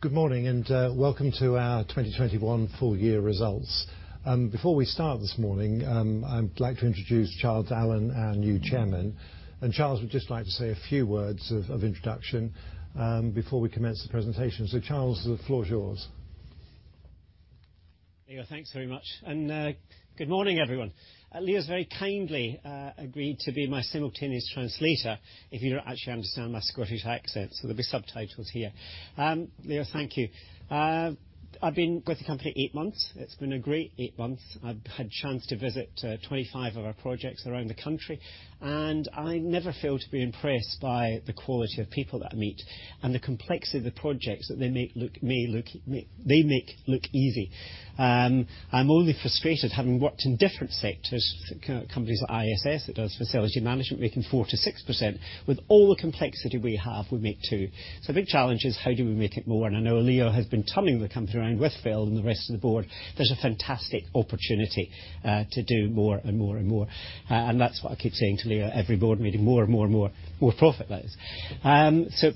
Good morning and welcome to our 2021 full year results. Before we start this morning, I'd like to introduce Charles Allen, our new Chairman. Charles would just like to say a few words of introduction before we commence the presentation. Charles, the floor is yours. Leo, thanks very much. Good morning, everyone. Leo's very kindly agreed to be my simultaneous translator if you don't actually understand my Scottish accent, so there'll be subtitles here. Leo, thank you. I've been with the company eight months. It's been a great eight months. I've had the chance to visit 25 of our projects around the country, and I never fail to be impressed by the quality of people that I meet and the complexity of the projects that they make look easy. I'm only frustrated having worked in different sectors, companies like ISS that does facility management making 4%-6%. With all the complexity we have, we make 2%. The big challenge is how do we make it more? I know Leo has been turning the company around with Phil and the rest of the board. There's a fantastic opportunity to do more and more and more. That's what I keep saying to Leo every board meeting, more and more and more. More profit, that is.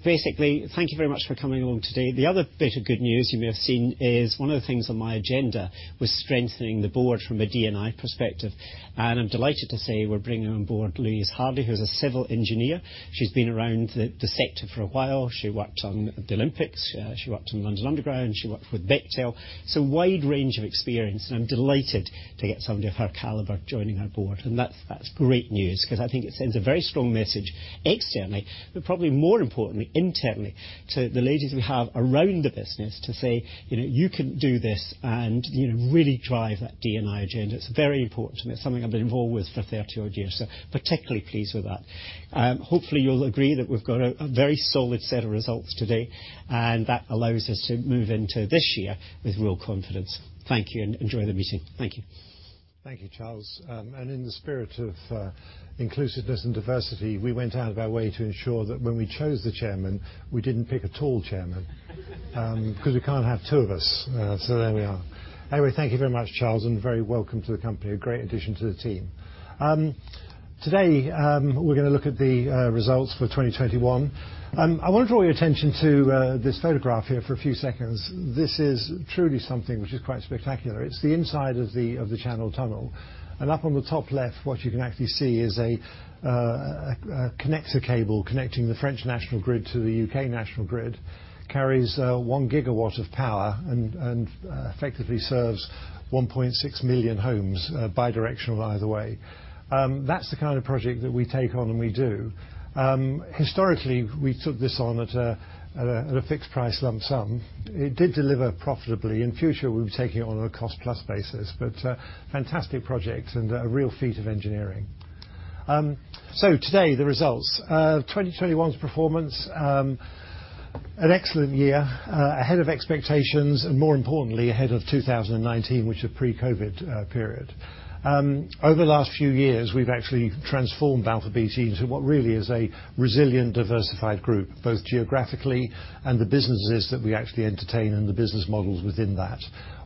Basically, thank you very much for coming along today. The other bit of good news you may have seen is one of the things on my agenda was strengthening the board from a D&I perspective. I'm delighted to say we're bringing on board Louise Hardy, who's a civil engineer. She's been around the sector for a while. She worked on the Olympics. She worked on London Underground. She worked with Bechtel. A wide range of experience, and I'm delighted to get somebody of her caliber joining our board. That's great news 'cause I think it sends a very strong message externally, but probably more importantly, internally to the ladies we have around the business to say, you know, "You can do this," and, you know, really drive that D&I agenda. It's very important. It's something I've been involved with for thirty-odd years, so particularly pleased with that. Hopefully you'll agree that we've got a very solid set of results today, and that allows us to move into this year with real confidence. Thank you, and enjoy the meeting. Thank you. Thank you, Charles. In the spirit of inclusiveness and diversity, we went out of our way to ensure that when we chose the chairman, we didn't pick a tall chairman. 'Cause we can't have two of us. So there we are. Anyway, thank you very much, Charles, and very welcome to the company. A great addition to the team. Today, we're gonna look at the results for 2021. I wanna draw your attention to this photograph here for a few seconds. This is truly something which is quite spectacular. It's the inside of the Channel Tunnel. Up on the top left, what you can actually see is a connector cable connecting the French national grid to the U.K. National Grid. Carries 1 GW of power and effectively serves 1.6 million homes, bi-directional either way. That's the kind of project that we take on and we do. Historically, we took this on at a fixed price lump sum. It did deliver profitably. In future, we'll be taking it on a cost plus basis. Fantastic project and a real feat of engineering. Today, the results. 2021's performance, an excellent year, ahead of expectations, and more importantly, ahead of 2019, which was pre-COVID period. Over the last few years, we've actually transformed Balfour Beatty into what really is a resilient, diversified group, both geographically and the businesses that we actually entertain and the business models within that.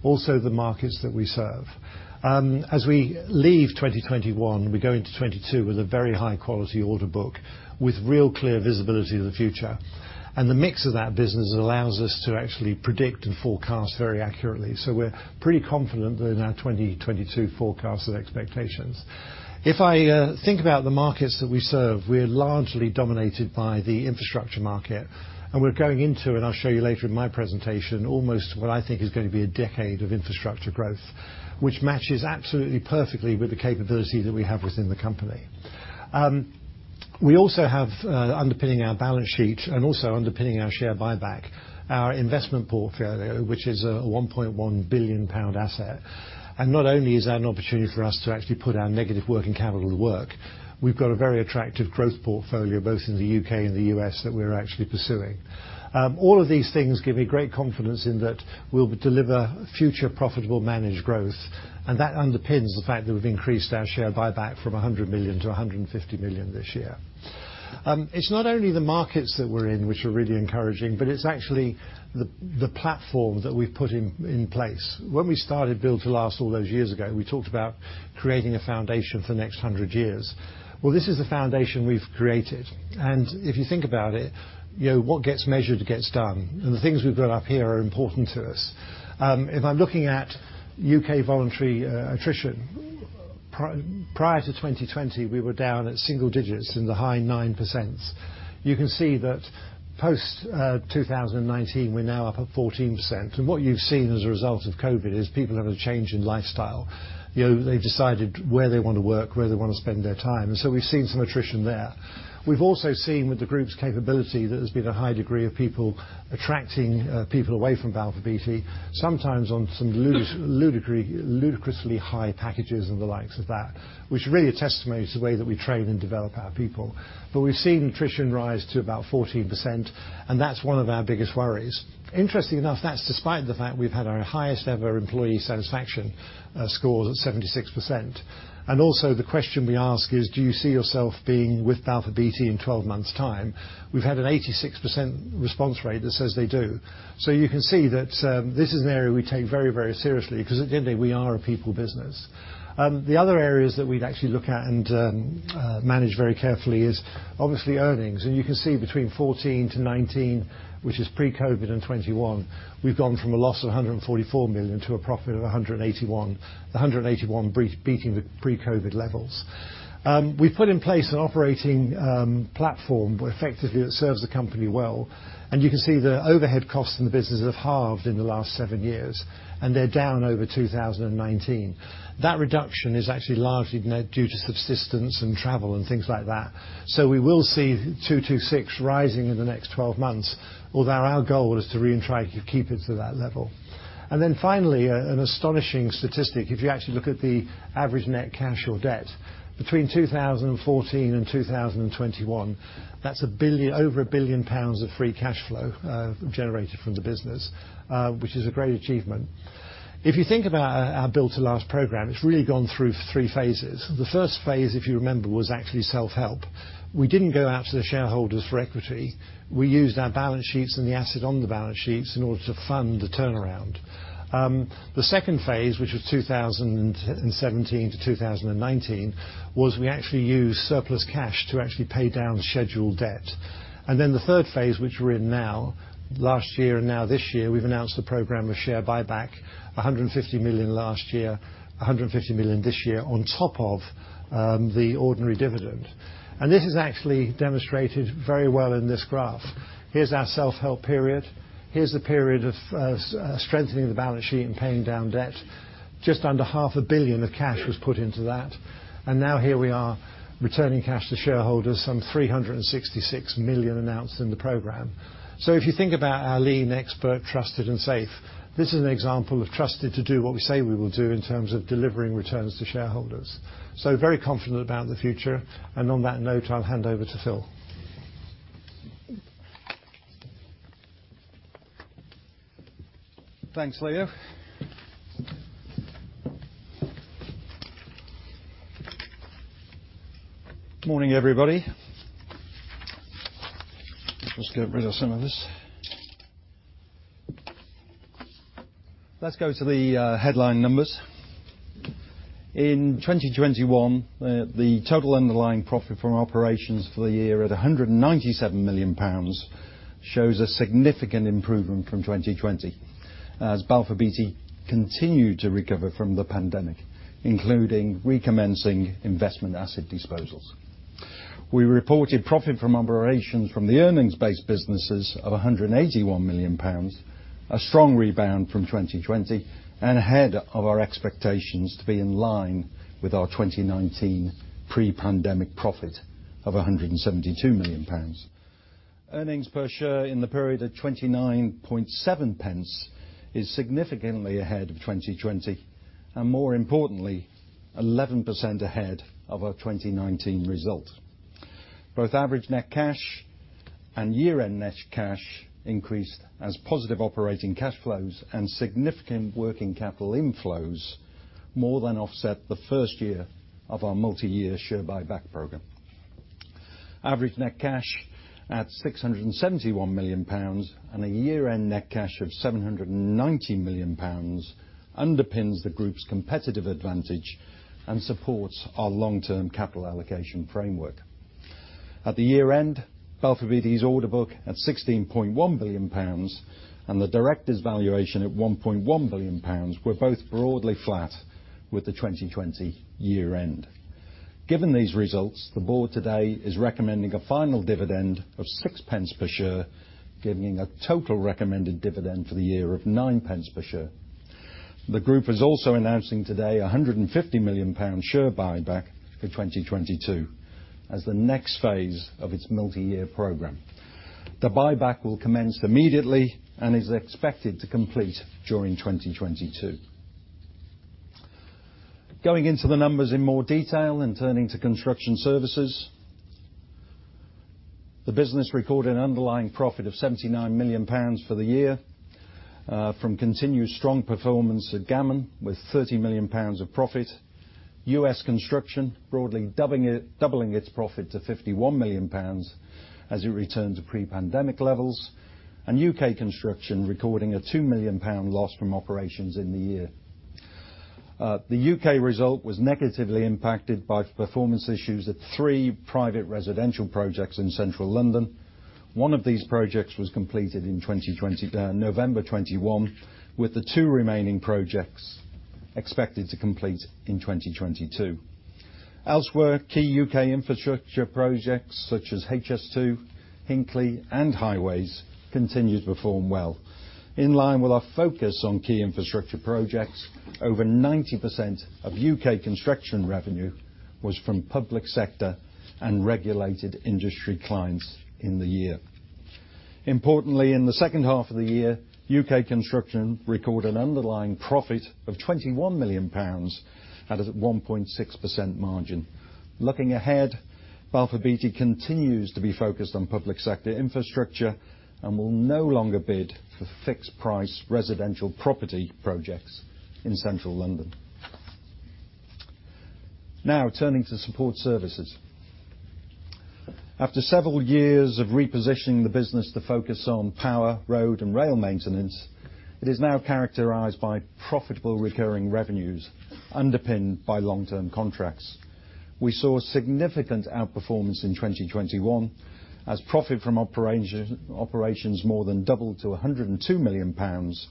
Also, the markets that we serve. As we leave 2021, we go into 2022 with a very high-quality order book with real clear visibility of the future. The mix of that business allows us to actually predict and forecast very accurately. We're pretty confident in our 2022 forecast and expectations. If I think about the markets that we serve, we're largely dominated by the infrastructure market, and we're going into, and I'll show you later in my presentation, almost what I think is gonna be a decade of infrastructure growth, which matches absolutely perfectly with the capability that we have within the company. We also have underpinning our balance sheet and also underpinning our share buyback, our investment portfolio, which is a 1.1 billion pound asset. Not only is that an opportunity for us to actually put our negative working capital to work, we've got a very attractive growth portfolio, both in the U.K. and the U.S., that we're actually pursuing. All of these things give me great confidence in that we'll deliver future profitable managed growth, and that underpins the fact that we've increased our share buyback from 100 million-150 million this year. It's not only the markets that we're in which are really encouraging, but it's actually the platform that we've put in place. When we started Build to Last all those years ago, we talked about creating a foundation for the next 100 years. Well, this is the foundation we've created. If you think about it, you know, what gets measured gets done, and the things we've got up here are important to us. If I'm looking at U.K. voluntary attrition, prior to 2020, we were down at single digits in the high 9%. You can see that post 2019, we're now up at 14%. What you've seen as a result of COVID is people have a change in lifestyle. You know, they've decided where they wanna work, where they wanna spend their time, and so we've seen some attrition there. We've also seen with the group's capability that there's been a high degree of people attracting people away from Balfour Beatty, sometimes on some ludicrously high packages and the likes of that, which really attests to the way that we train and develop our people. We've seen attrition rise to about 14%, and that's one of our biggest worries. Interestingly enough, that's despite the fact we've had our highest ever employee satisfaction scores at 76%. The question we ask is, do you see yourself being with Balfour Beatty in 12 months' time? We've had an 86% response rate that says they do. You can see that this is an area we take very, very seriously, 'cause at the end of the day, we are a people business. The other areas that we'd actually look at and manage very carefully is obviously earnings. You can see between 2014-2019, which is pre-COVID, and 2021, we've gone from a loss of 144 million to a profit of 181 million. 181 million beating the pre-COVID levels. We've put in place an operating platform where effectively it serves the company well. You can see the overhead costs in the business have halved in the last seven years, and they're down over 2019. That reduction is actually largely not due to subsistence and travel and things like that. We will see 226 rising in the next twelve months, although our goal is to really try to keep it to that level. Finally, an astonishing statistic. If you actually look at the average net cash or debt between 2014 and 2021, that's over 1 billion pounds of free cash flow generated from the business, which is a great achievement. If you think about our Build to Last program, it's really gone through three phases. The first phase, if you remember, was actually self-help. We didn't go out to the shareholders for equity. We used our balance sheets and the asset on the balance sheets in order to fund the turnaround. The second phase, which was 2017-2019, was we actually used surplus cash to pay down scheduled debt. The third phase, which we're in now, last year and now this year, we've announced a program of share buyback, 150 million last year, 150 million this year, on top of the ordinary dividend. This is actually demonstrated very well in this graph. Here's our self-help period. Here's the period of strengthening the balance sheet and paying down debt. Just under half a billion GBP of cash was put into that. Now here we are returning cash to shareholders, 366 million announced in the program. If you think about our lean, expert, trusted, and safe, this is an example of trusted to do what we say we will do in terms of delivering returns to shareholders. Very confident about the future. On that note, I'll hand over to Phil. Thanks, Leo. Morning, everybody. Just get rid of some of this. Let's go to the headline numbers. In 2021, the total underlying profit from operations for the year at 197 million pounds shows a significant improvement from 2020 as Balfour Beatty continued to recover from the pandemic, including recommencing investment asset disposals. We reported profit from operations from the earnings-based businesses of 181 million pounds, a strong rebound from 2020 and ahead of our expectations to be in line with our 2019 pre-pandemic profit of 172 million pounds. Earnings per share in the period of 0.297 pence is significantly ahead of 2020, and more importantly, 11% ahead of our 2019 result. Both average net cash and year-end net cash increased as positive operating cash flows and significant working capital inflows more than offset the first year of our multi-year share buyback program. Average net cash at 671 million pounds and a year-end net cash of 790 million pounds underpins the group's competitive advantage and supports our long-term capital allocation framework. At the year-end, Balfour Beatty's order book at 16.1 billion pounds and the Directors' valuation at 1.1 billion pounds were both broadly flat with the 2020 year-end. Given these results, the board today is recommending a final dividend of 0.06 per share, giving a total recommended dividend for the year of 0.09 per share. The group is also announcing today a 150 million pound share buyback for 2022 as the next phase of its multi-year program. The buyback will commence immediately and is expected to complete during 2022. Going into the numbers in more detail and turning to construction services, the business recorded an underlying profit of 79 million pounds for the year from continued strong performance at Gammon with 30 million pounds of profit, U.S. Construction broadly doubling it, doubling its profit to 51 million pounds as it returned to pre-pandemic levels, and U.K. Construction recording a 2 million pound loss from operations in the year. The U.K. result was negatively impacted by performance issues at three private residential projects in Central London. One of these projects was completed in 2020, November 2021, with the two remaining projects expected to complete in 2022. Elsewhere, key U.K. infrastructure projects such as HS2, Hinkley, and highways continued to perform well. In line with our focus on key infrastructure projects, over 90% of U.K. Construction revenue was from public sector and regulated industry clients in the year. Importantly, in the second half of the year, U.K Construction recorded an underlying profit of 21 million pounds at a 1.6% margin. Looking ahead, Balfour Beatty continues to be focused on public sector infrastructure and will no longer bid for fixed-price residential property projects in Central London. Now turning to support services. After several years of repositioning the business to focus on power, road, and rail maintenance, it is now characterized by profitable recurring revenues underpinned by long-term contracts. We saw significant outperformance in 2021 as profit from operations more than doubled to 102 million pounds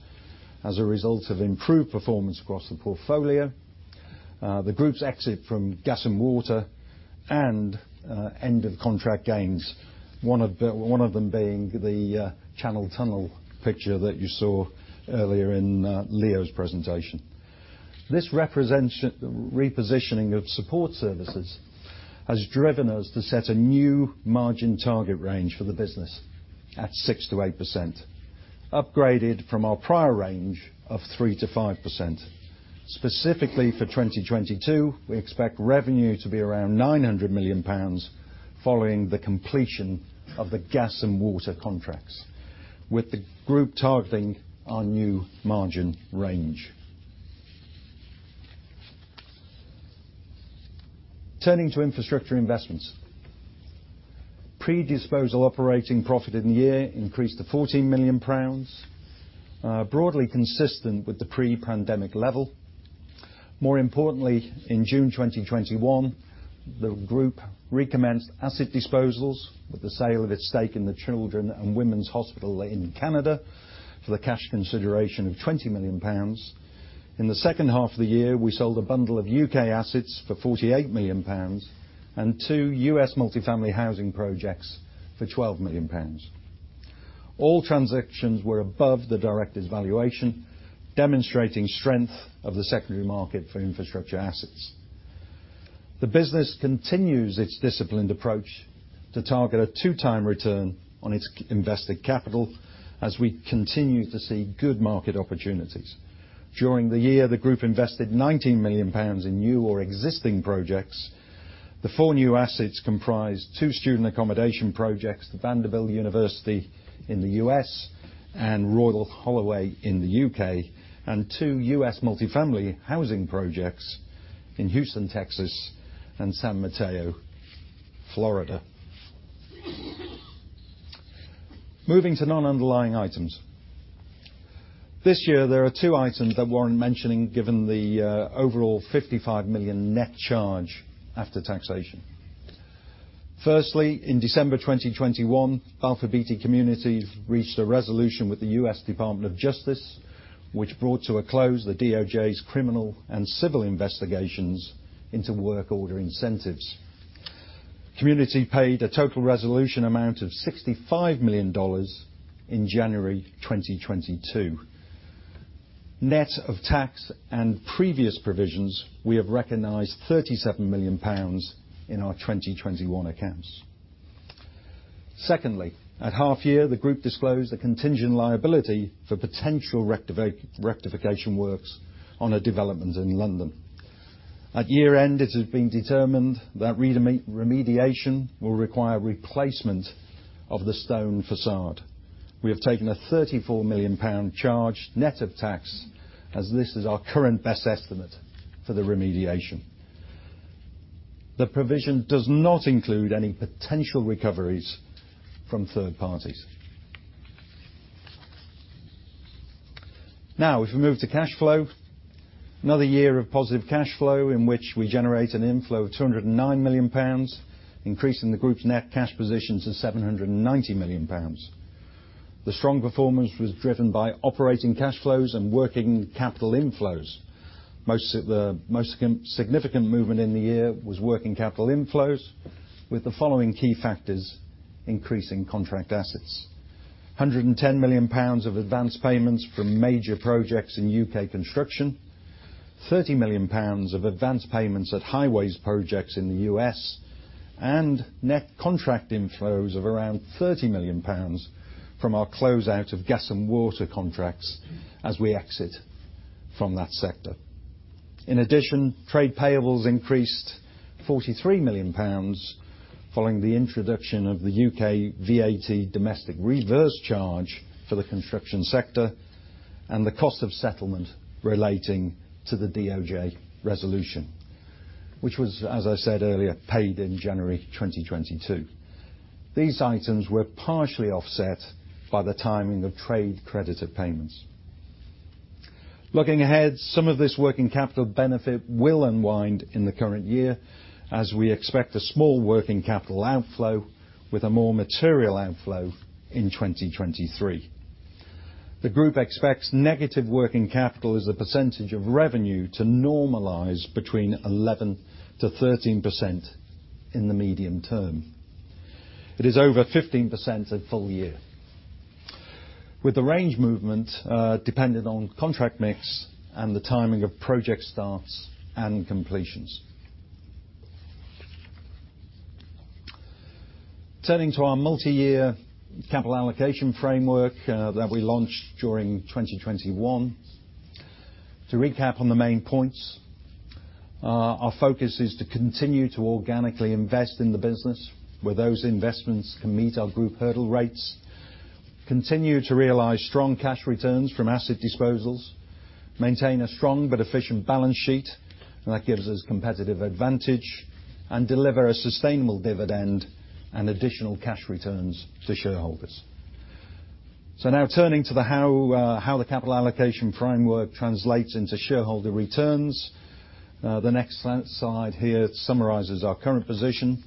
as a result of improved performance across the portfolio, the Group's exit from gas and water, and end of contract gains. One of them being the Channel Tunnel project that you saw earlier in Leo's presentation. This repositioning of support services has driven us to set a new margin target range for the business at 6%-8%, upgraded from our prior range of 3%-5%. Specifically for 2022, we expect revenue to be around 900 million pounds following the completion of the gas and water contracts, with the Group targeting our new margin range. Turning to infrastructure investments. Pre-disposal operating profit in the year increased to 14 million pounds, broadly consistent with the pre-pandemic level. More importantly, in June 2021, the Group recommenced asset disposals with the sale of its stake in the BC Children's Hospital in Canada for the cash consideration of 20 million pounds. In the second half of the year, we sold a bundle of U.K. assets for 48 million pounds and two U.S. multifamily housing projects for 12 million pounds. All transactions were above the Directors' valuation, demonstrating strength of the secondary market for infrastructure assets. The business continues its disciplined approach to target a two-time return on its invested capital as we continue to see good market opportunities. During the year, the Group invested 19 million pounds in new or existing projects. The four new assets comprise two student accommodation projects, the Vanderbilt University in the U.S. and Royal Holloway in the U.K., and two U.S. multifamily housing projects in Houston, Texas, and San Mateo, Florida. Moving to non-underlying items. This year, there are two items that warrant mentioning given the overall 55 million net charge after taxation. Firstly, in December 2021, Balfour Beatty Communities reached a resolution with the U.S. Department of Justice which brought to a close the DOJ's criminal and civil investigations into work order incentives. Balfour Beatty Communities paid a total resolution amount of $65 million in January 2022. Net of tax and previous provisions, we have recognized 37 million pounds in our 2021 accounts. Secondly, at half year, the Group disclosed a contingent liability for potential rectification works on a development in London. At year-end, it has been determined that remediation will require replacement of the stone facade. We have taken a 34 million pound charge net of tax as this is our current best estimate for the remediation. The provision does not include any potential recoveries from third parties. Now, if we move to cash flow, another year of positive cash flow in which we generate an inflow of 209 million pounds, increasing the Group's net cash positions to 790 million pounds. The strong performance was driven by operating cash flows and working capital inflows. Most significant movement in the year was working capital inflows with the following key factors increasing contract assets. 110 million pounds of advanced payments from major projects in U.K. Construction, 30 million pounds of advanced payments at highways projects in the U.S., and net contract inflows of around 30 million pounds from our closeout of gas and water contracts as we exit from that sector. In addition, trade payables increased 43 million pounds following the introduction of the U.K. VAT domestic reverse charge for the construction sector and the cost of settlement relating to the DOJ resolution, which was, as I said earlier, paid in January 2022. These items were partially offset by the timing of trade creditor payments. Looking ahead, some of this working capital benefit will unwind in the current year as we expect a small working capital outflow with a more material outflow in 2023. The Group expects negative working capital as a percentage of revenue to normalize between 11%-13% in the medium term. It is over 15% at full year, with the range movement dependent on contract mix and the timing of project starts and completions. Turning to our multi-year capital allocation framework that we launched during 2021. To recap on the main points, our focus is to continue to organically invest in the business where those investments can meet our group hurdle rates, continue to realize strong cash returns from asset disposals, maintain a strong but efficient balance sheet, and that gives us competitive advantage, and deliver a sustainable dividend and additional cash returns to shareholders. Now turning to how the capital allocation framework translates into shareholder returns. The next slide here summarizes our current position.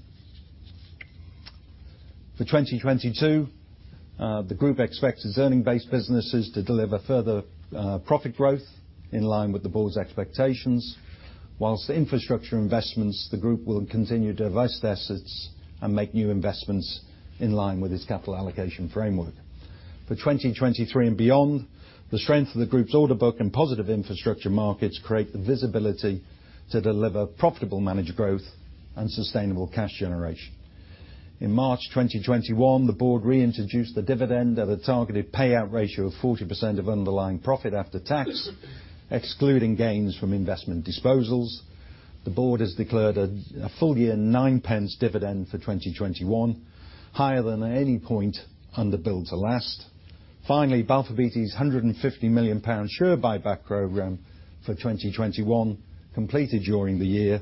For 2022, the group expects its earning-based businesses to deliver further profit growth in line with the board's expectations, whilst the infrastructure investments, the group will continue to divest their assets and make new investments in line with its capital allocation framework. For 2023 and beyond, the strength of the group's order book and positive infrastructure markets create the visibility to deliver profitable managed growth and sustainable cash generation. In March 2021, the board reintroduced the dividend at a targeted payout ratio of 40% of underlying profit after tax, excluding gains from investment disposals. The board has declared a full year 0.09 dividend for 2021, higher than at any point under Build to Last. Finally, Balfour Beatty's 150 million pound share buyback program for 2021 completed during the year.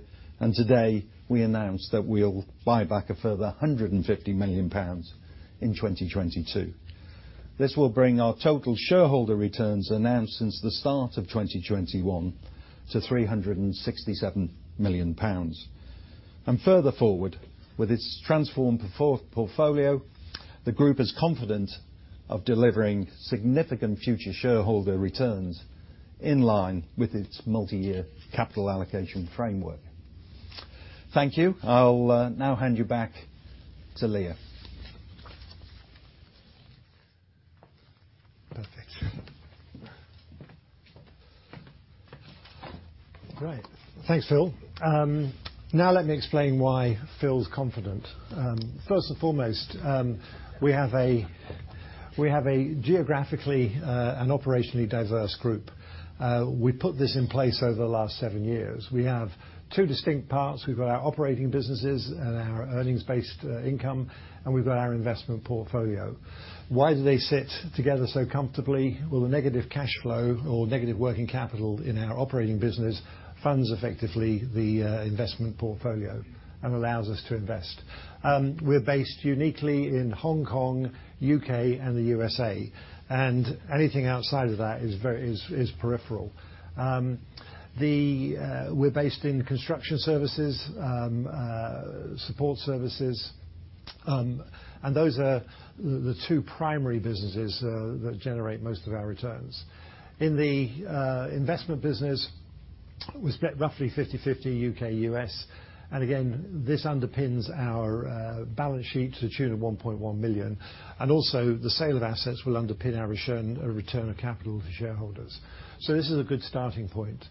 Today, we announced that we'll buy back a further 150 million pounds in 2022. This will bring our total shareholder returns announced since the start of 2021 to 367 million pounds. Further forward, with its transformed portfolio, the group is confident of delivering significant future shareholder returns in line with its multi-year capital allocation framework. Thank you. I'll now hand you back to Leo. Perfect. Great. Thanks, Phil. Now let me explain why Phil's confident. First and foremost, we have a geographically and operationally diverse group. We put this in place over the last seven years. We have two distinct parts. We've got our operating businesses and our earnings-based income, and we've got our investment portfolio. Why do they sit together so comfortably? Well, the negative cash flow or negative working capital in our operating business funds, effectively, the investment portfolio and allows us to invest. We're based uniquely in Hong Kong, U.K., and the U.S.A., and anything outside of that is peripheral. We're based in construction services, support services, and those are the two primary businesses that generate most of our returns. In the investment business, we're split roughly 50/50 U.K., U.S. Again, this underpins our balance sheet to the tune of 1.1 million. Also, the sale of assets will underpin our return of capital to shareholders. This is a good starting point.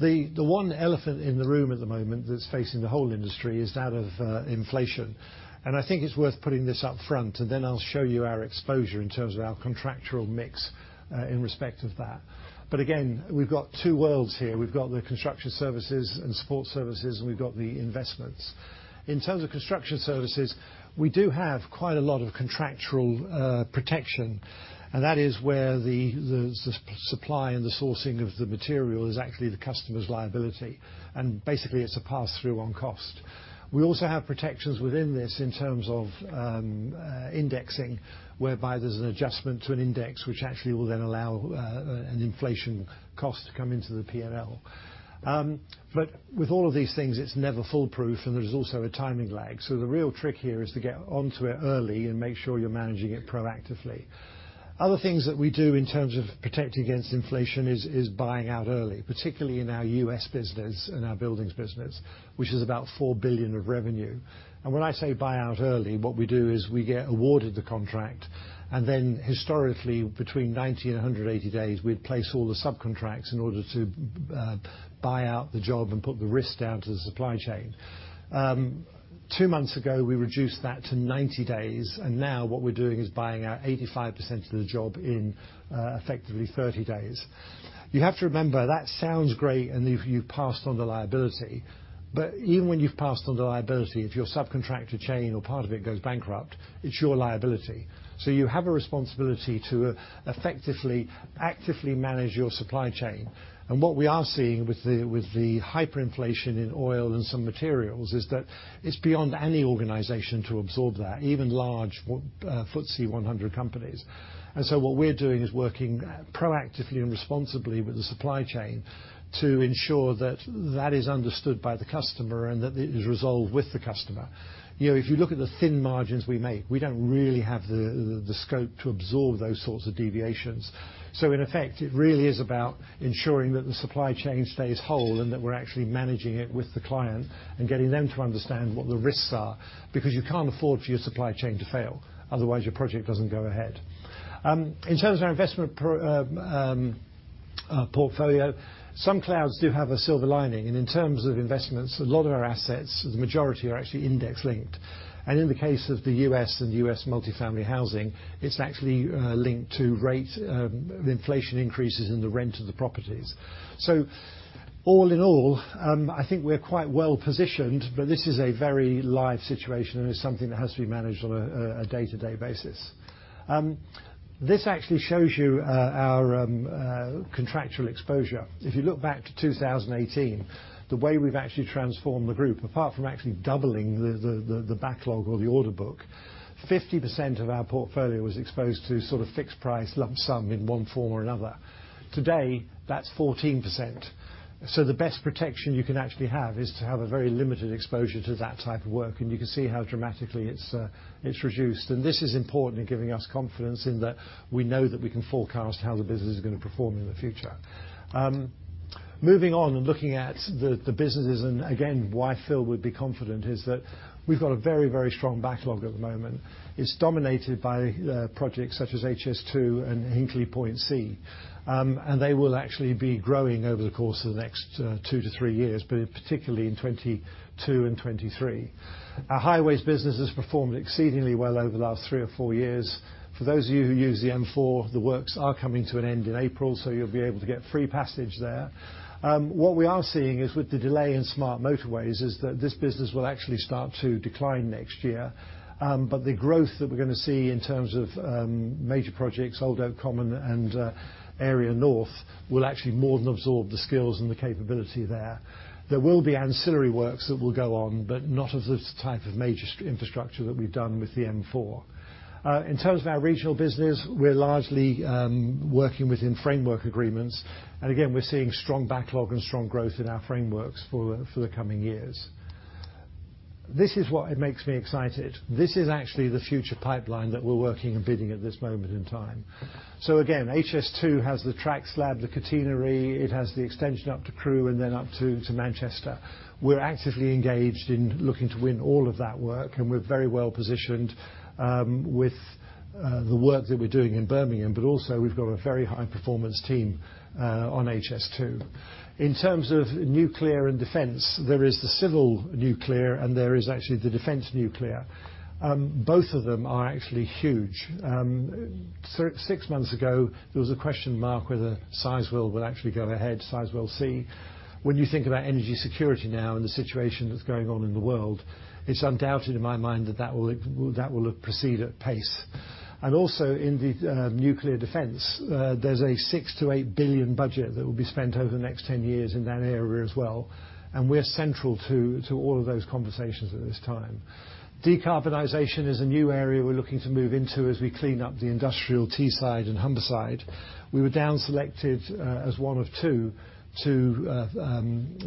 The one elephant in the room at the moment that's facing the whole industry is that of inflation. I think it's worth putting this up front, and then I'll show you our exposure in terms of our contractual mix in respect of that. Again, we've got two worlds here. We've got the construction services and support services, and we've got the investments. In terms of construction services, we do have quite a lot of contractual protection, and that is where the supply and the sourcing of the material is actually the customer's liability. Basically, it's a pass-through on cost. We also have protections within this in terms of indexing, whereby there's an adjustment to an index which actually will then allow an inflation cost to come into the P&L. With all of these things, it's never foolproof, and there's also a timing lag. The real trick here is to get onto it early and make sure you're managing it proactively. Other things that we do in terms of protecting against inflation is buying out early, particularly in our U.S. business and our buildings business, which is about $4 billion of revenue. When I say buy out early, what we do is we get awarded the contract, and then historically, between 90 and 180 days, we'd place all the subcontracts in order to buy out the job and put the risk down to the supply chain. Two months ago, we reduced that to 90 days, and now what we're doing is buying out 85% of the job in effectively 30 days. You have to remember, that sounds great and you've passed on the liability. Even when you've passed on the liability, if your subcontractor chain or part of it goes bankrupt, it's your liability. You have a responsibility to effectively actively manage your supply chain. What we are seeing with the hyperinflation in oil and some materials is that it's beyond any organization to absorb that, even large FTSE 100 companies. What we're doing is working proactively and responsibly with the supply chain to ensure that that is understood by the customer and that it is resolved with the customer. You know, if you look at the thin margins we make, we don't really have the scope to absorb those sorts of deviations. In effect, it really is about ensuring that the supply chain stays whole and that we're actually managing it with the client and getting them to understand what the risks are. Because you can't afford for your supply chain to fail, otherwise your project doesn't go ahead. In terms of our investment portfolio, some clouds do have a silver lining. In terms of investments, a lot of our assets, the majority are actually index-linked. In the case of the U.S. and U.S. multifamily housing, it's actually linked to the rate of inflation increases in the rent of the properties. All in all, I think we're quite well-positioned, but this is a very live situation, and it's something that has to be managed on a day-to-day basis. This actually shows you our contractual exposure. If you look back to 2018, the way we've actually transformed the group, apart from actually doubling the backlog or the order book, 50% of our portfolio was exposed to sort of fixed price lump sum in one form or another. Today, that's 14%. The best protection you can actually have is to have a very limited exposure to that type of work. You can see how dramatically it's reduced. This is important in giving us confidence in that we know that we can forecast how the business is gonna perform in the future. Moving on and looking at the businesses and again, why Phil would be confident is that we've got a very, very strong backlog at the moment. It's dominated by projects such as HS2 and Hinkley Point C. They will actually be growing over the course of the next two to three years, but particularly in 2022 and 2023. Our highways business has performed exceedingly well over the last three or four years. For those of you who use the M4, the works are coming to an end in April, so you'll be able to get free passage there. What we are seeing is with the delay in smart motorways is that this business will actually start to decline next year. But the growth that we're gonna see in terms of major projects, Old Oak Common and Area North, will actually more than absorb the skills and the capability there. There will be ancillary works that will go on, but not of the type of major infrastructure that we've done with the M4. In terms of our regional business, we're largely working within framework agreements. Again, we're seeing strong backlog and strong growth in our frameworks for the coming years. This is what makes me excited. This is actually the future pipeline that we're working and bidding at this moment in time. Again, HS2 has the track slab, the catenary. It has the extension up to Crewe and then up to Manchester. We're actively engaged in looking to win all of that work, and we're very well-positioned with the work that we're doing in Birmingham, but also we've got a very high-performance team on HS2. In terms of nuclear and defense, there is the civil nuclear and there is actually the defense nuclear. Both of them are actually huge. Six months ago, there was a question mark whether Sizewell will actually go ahead, Sizewell C. When you think about energy security now and the situation that's going on in the world, it's undoubted in my mind that that will proceed at pace. Also in the nuclear defense, there's a 6 billion-8 billion budget that will be spent over the next 10 years in that area as well. We're central to all of those conversations at this time. Decarbonization is a new area we're looking to move into as we clean up the industrial Teesside and Humberside. We were down selected as one of two to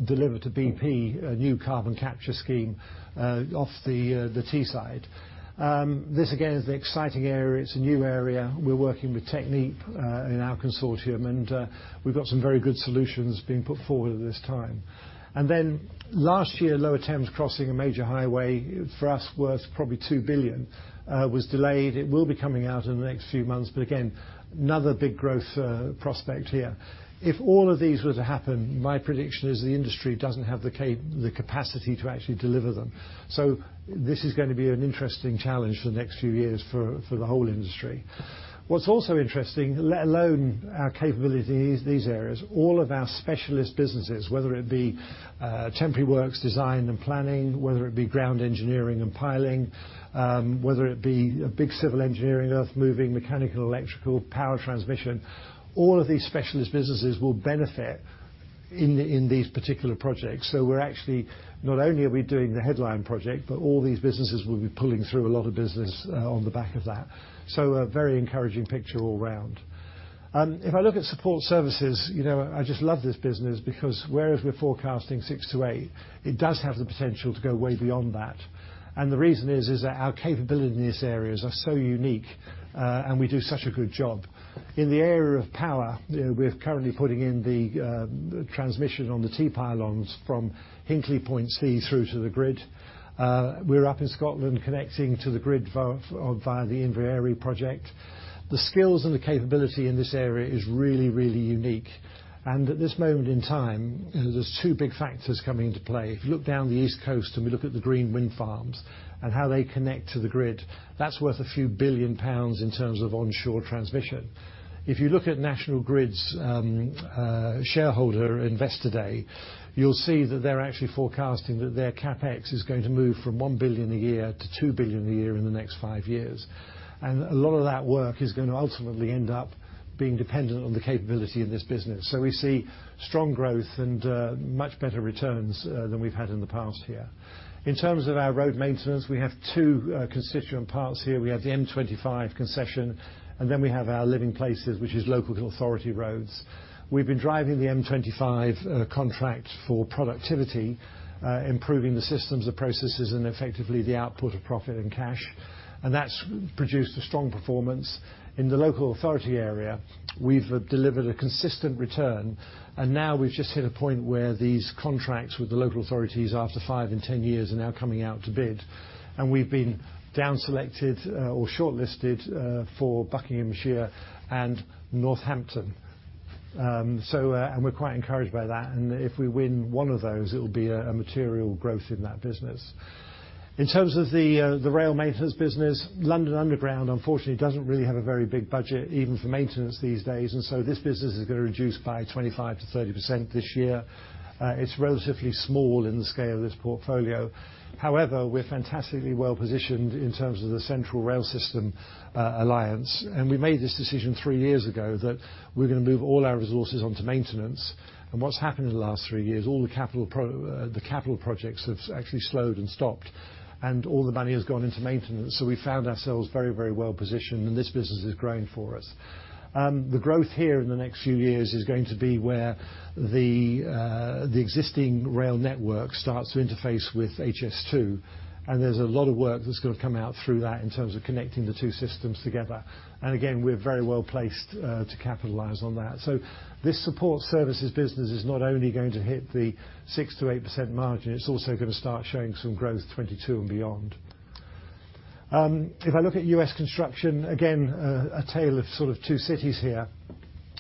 deliver to bp a new carbon capture scheme off the Teesside. This again is an exciting area. It's a new area. We're working with Technip Energies in our consortium, and we've got some very good solutions being put forward at this time. Then last year, Lower Thames Crossing, a major highway for us worth probably 2 billion, was delayed. It will be coming out in the next few months, but again, another big growth prospect here. If all of these were to happen, my prediction is the industry doesn't have the capacity to actually deliver them. This is gonna be an interesting challenge for the next few years for the whole industry. What's also interesting, let alone our capability in these areas, all of our specialist businesses, whether it be temporary works, design and planning, whether it be ground engineering and piling, whether it be a big civil engineering, earthmoving, mechanical, electrical, power transmission, all of these specialist businesses will benefit in these particular projects. We're actually not only are we doing the headline project, but all these businesses will be pulling through a lot of business on the back of that. A very encouraging picture all around. If I look at support services, you know, I just love this business because whereas we're forecasting 6% -8%, it does have the potential to go way beyond that. The reason is that our capability in these areas are so unique, and we do such a good job. In the area of power, you know, we're currently putting in the transmission on the T-pylons from Hinkley Point C through to the grid. We're up in Scotland connecting to the grid via the Inveraray project. The skills and the capability in this area is really, really unique. At this moment in time, there's two big factors coming into play. If you look down the East Coast and we look at the green wind farms and how they connect to the grid, that's worth a few billion GBP in terms of onshore transmission. If you look at National Grid's shareholder investor day, you'll see that they're actually forecasting that their CapEx is going to move from 1 billion a year to 2 billion a year in the next five years. A lot of that work is gonna ultimately end up being dependent on the capability of this business. We see strong growth and much better returns than we've had in the past here. In terms of our road maintenance, we have two constituent parts here. We have the M25 concession, and then we have our Living Places, which is local authority roads. We've been driving the M25 contract for productivity, improving the systems, the processes, and effectively the output of profit and cash. That's produced a strong performance. In the local authority area, we've delivered a consistent return. Now we've just hit a point where these contracts with the local authorities after five and 10 years are now coming out to bid. We've been down selected or shortlisted for Buckinghamshire and Northamptonshire. We're quite encouraged by that. If we win one of those, it'll be a material growth in that business. In terms of the rail maintenance business, London Underground unfortunately doesn't really have a very big budget, even for maintenance these days, and so this business is gonna reduce by 25%-30% this year. It's relatively small in the scale of this portfolio. However, we're fantastically well-positioned in terms of the Central Rail Systems Alliance, and we made this decision three years ago that we're gonna move all our resources onto maintenance. What's happened in the last three years, all the capital projects have actually slowed and stopped, and all the money has gone into maintenance. We found ourselves very, very well-positioned, and this business has grown for us. The growth here in the next few years is going to be where the existing rail network starts to interface with HS2, and there's a lot of work that's gonna come out through that in terms of connecting the two systems together. Again, we're very well-placed to capitalize on that. This support services business is not only going to hit the 6%-8% margin, it's also gonna start showing some growth 2022 and beyond. If I look at U.S. construction, again, a tale of sort of two cities here.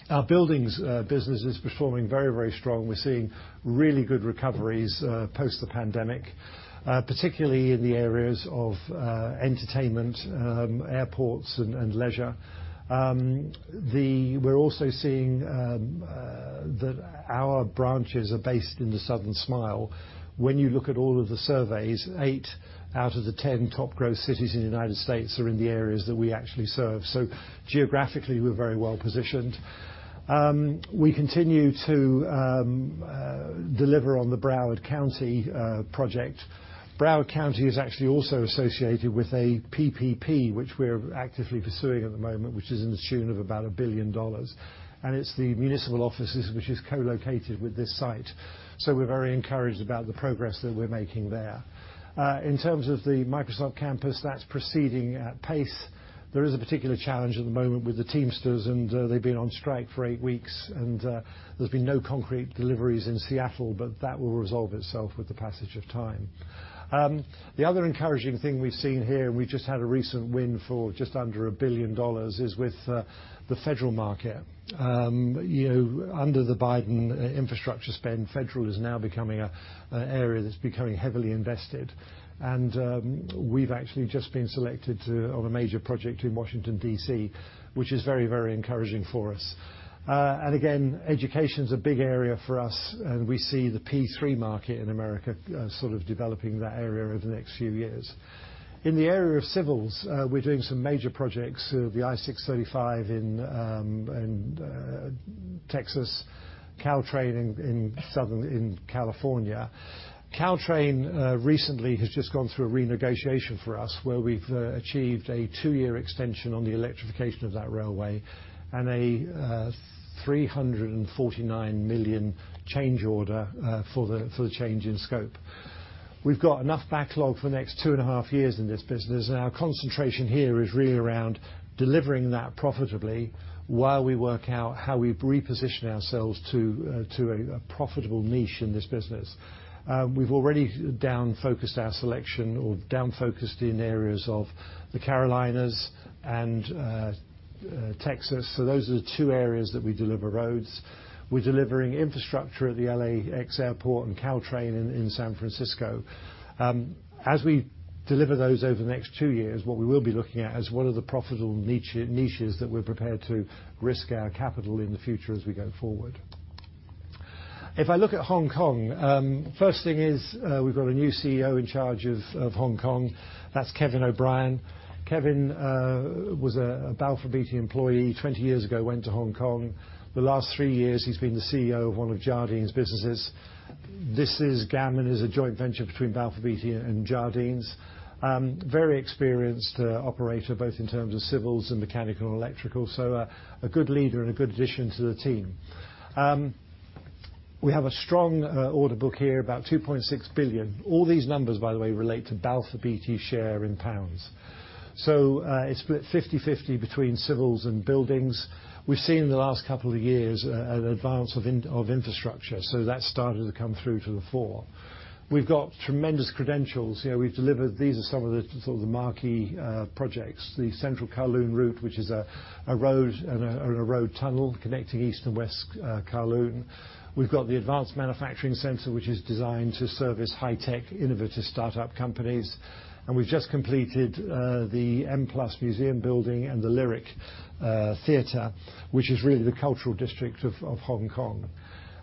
Our buildings business is performing very, very strong. We're seeing really good recoveries post the pandemic, particularly in the areas of entertainment, airports and leisure. We're also seeing that our branches are based in the Sun Belt. When you look at all of the surveys, eight out of the 10 top growth cities in the United States are in the areas that we actually serve. Geographically, we're very well-positioned. We continue to deliver on the Broward County project. Broward County is actually also associated with a PPP which we're actively pursuing at the moment, which is in the tune of about $1 billion, and it's the municipal offices which is co-located with this site. We're very encouraged about the progress that we're making there. In terms of the Microsoft campus, that's proceeding at pace. There is a particular challenge at the moment with the Teamsters, and they've been on strike for eight weeks, and there's been no concrete deliveries in Seattle, but that will resolve itself with the passage of time. The other encouraging thing we've seen here, and we just had a recent win for just under $1 billion, is with the federal market. Under the Biden infrastructure spend, federal is now becoming an area that's becoming heavily invested. We've actually just been selected on a major project in Washington, D.C., which is very, very encouraging for us. Education's a big area for us, and we see the P3 market in America sort of developing that area over the next few years. In the area of civils, we're doing some major projects, the I-635 in Texas, Caltrain in California. Caltrain recently has just gone through a renegotiation for us, where we've achieved a two-year extension on the electrification of that railway, and a $349 million change order for the change in scope. We've got enough backlog for the next two and a half years in this business, and our concentration here is really around delivering that profitably while we work out how we reposition ourselves to a profitable niche in this business. We've already down-focused in areas of the Carolinas and Texas, so those are the two areas that we deliver roads. We're delivering infrastructure at the LAX Airport and Caltrain in San Francisco. As we deliver those over the next two years, what we will be looking at is what are the profitable niches that we're prepared to risk our capital in the future as we go forward. If I look at Hong Kong, first thing is, we've got a new CEO in charge of Hong Kong. That's Kevin O'Brien. Kevin was a Balfour Beatty employee 20 years ago, went to Hong Kong. The last three years, he's been the CEO of one of Jardine's businesses. Gammon is a joint venture between Balfour Beatty and Jardine's. Very experienced operator, both in terms of civils and mechanical, electrical, so a good leader and a good addition to the team. We have a strong order book here, about 2.6 billion. All these numbers, by the way, relate to Balfour Beatty's share in pounds. It's split 50/50 between civils and buildings. We've seen in the last couple of years an advance in infrastructure, so that's started to come through to the fore. We've got tremendous credentials here. We've delivered. These are some of the marquee projects, the Central Kowloon Route, which is a road and a road tunnel connecting East and West Kowloon. We've got the Advanced Manufacturing Center, which is designed to service high-tech, innovative startup companies. We've just completed the M+ Museum building and the Lyric Theatre, which is really the cultural district of Hong Kong.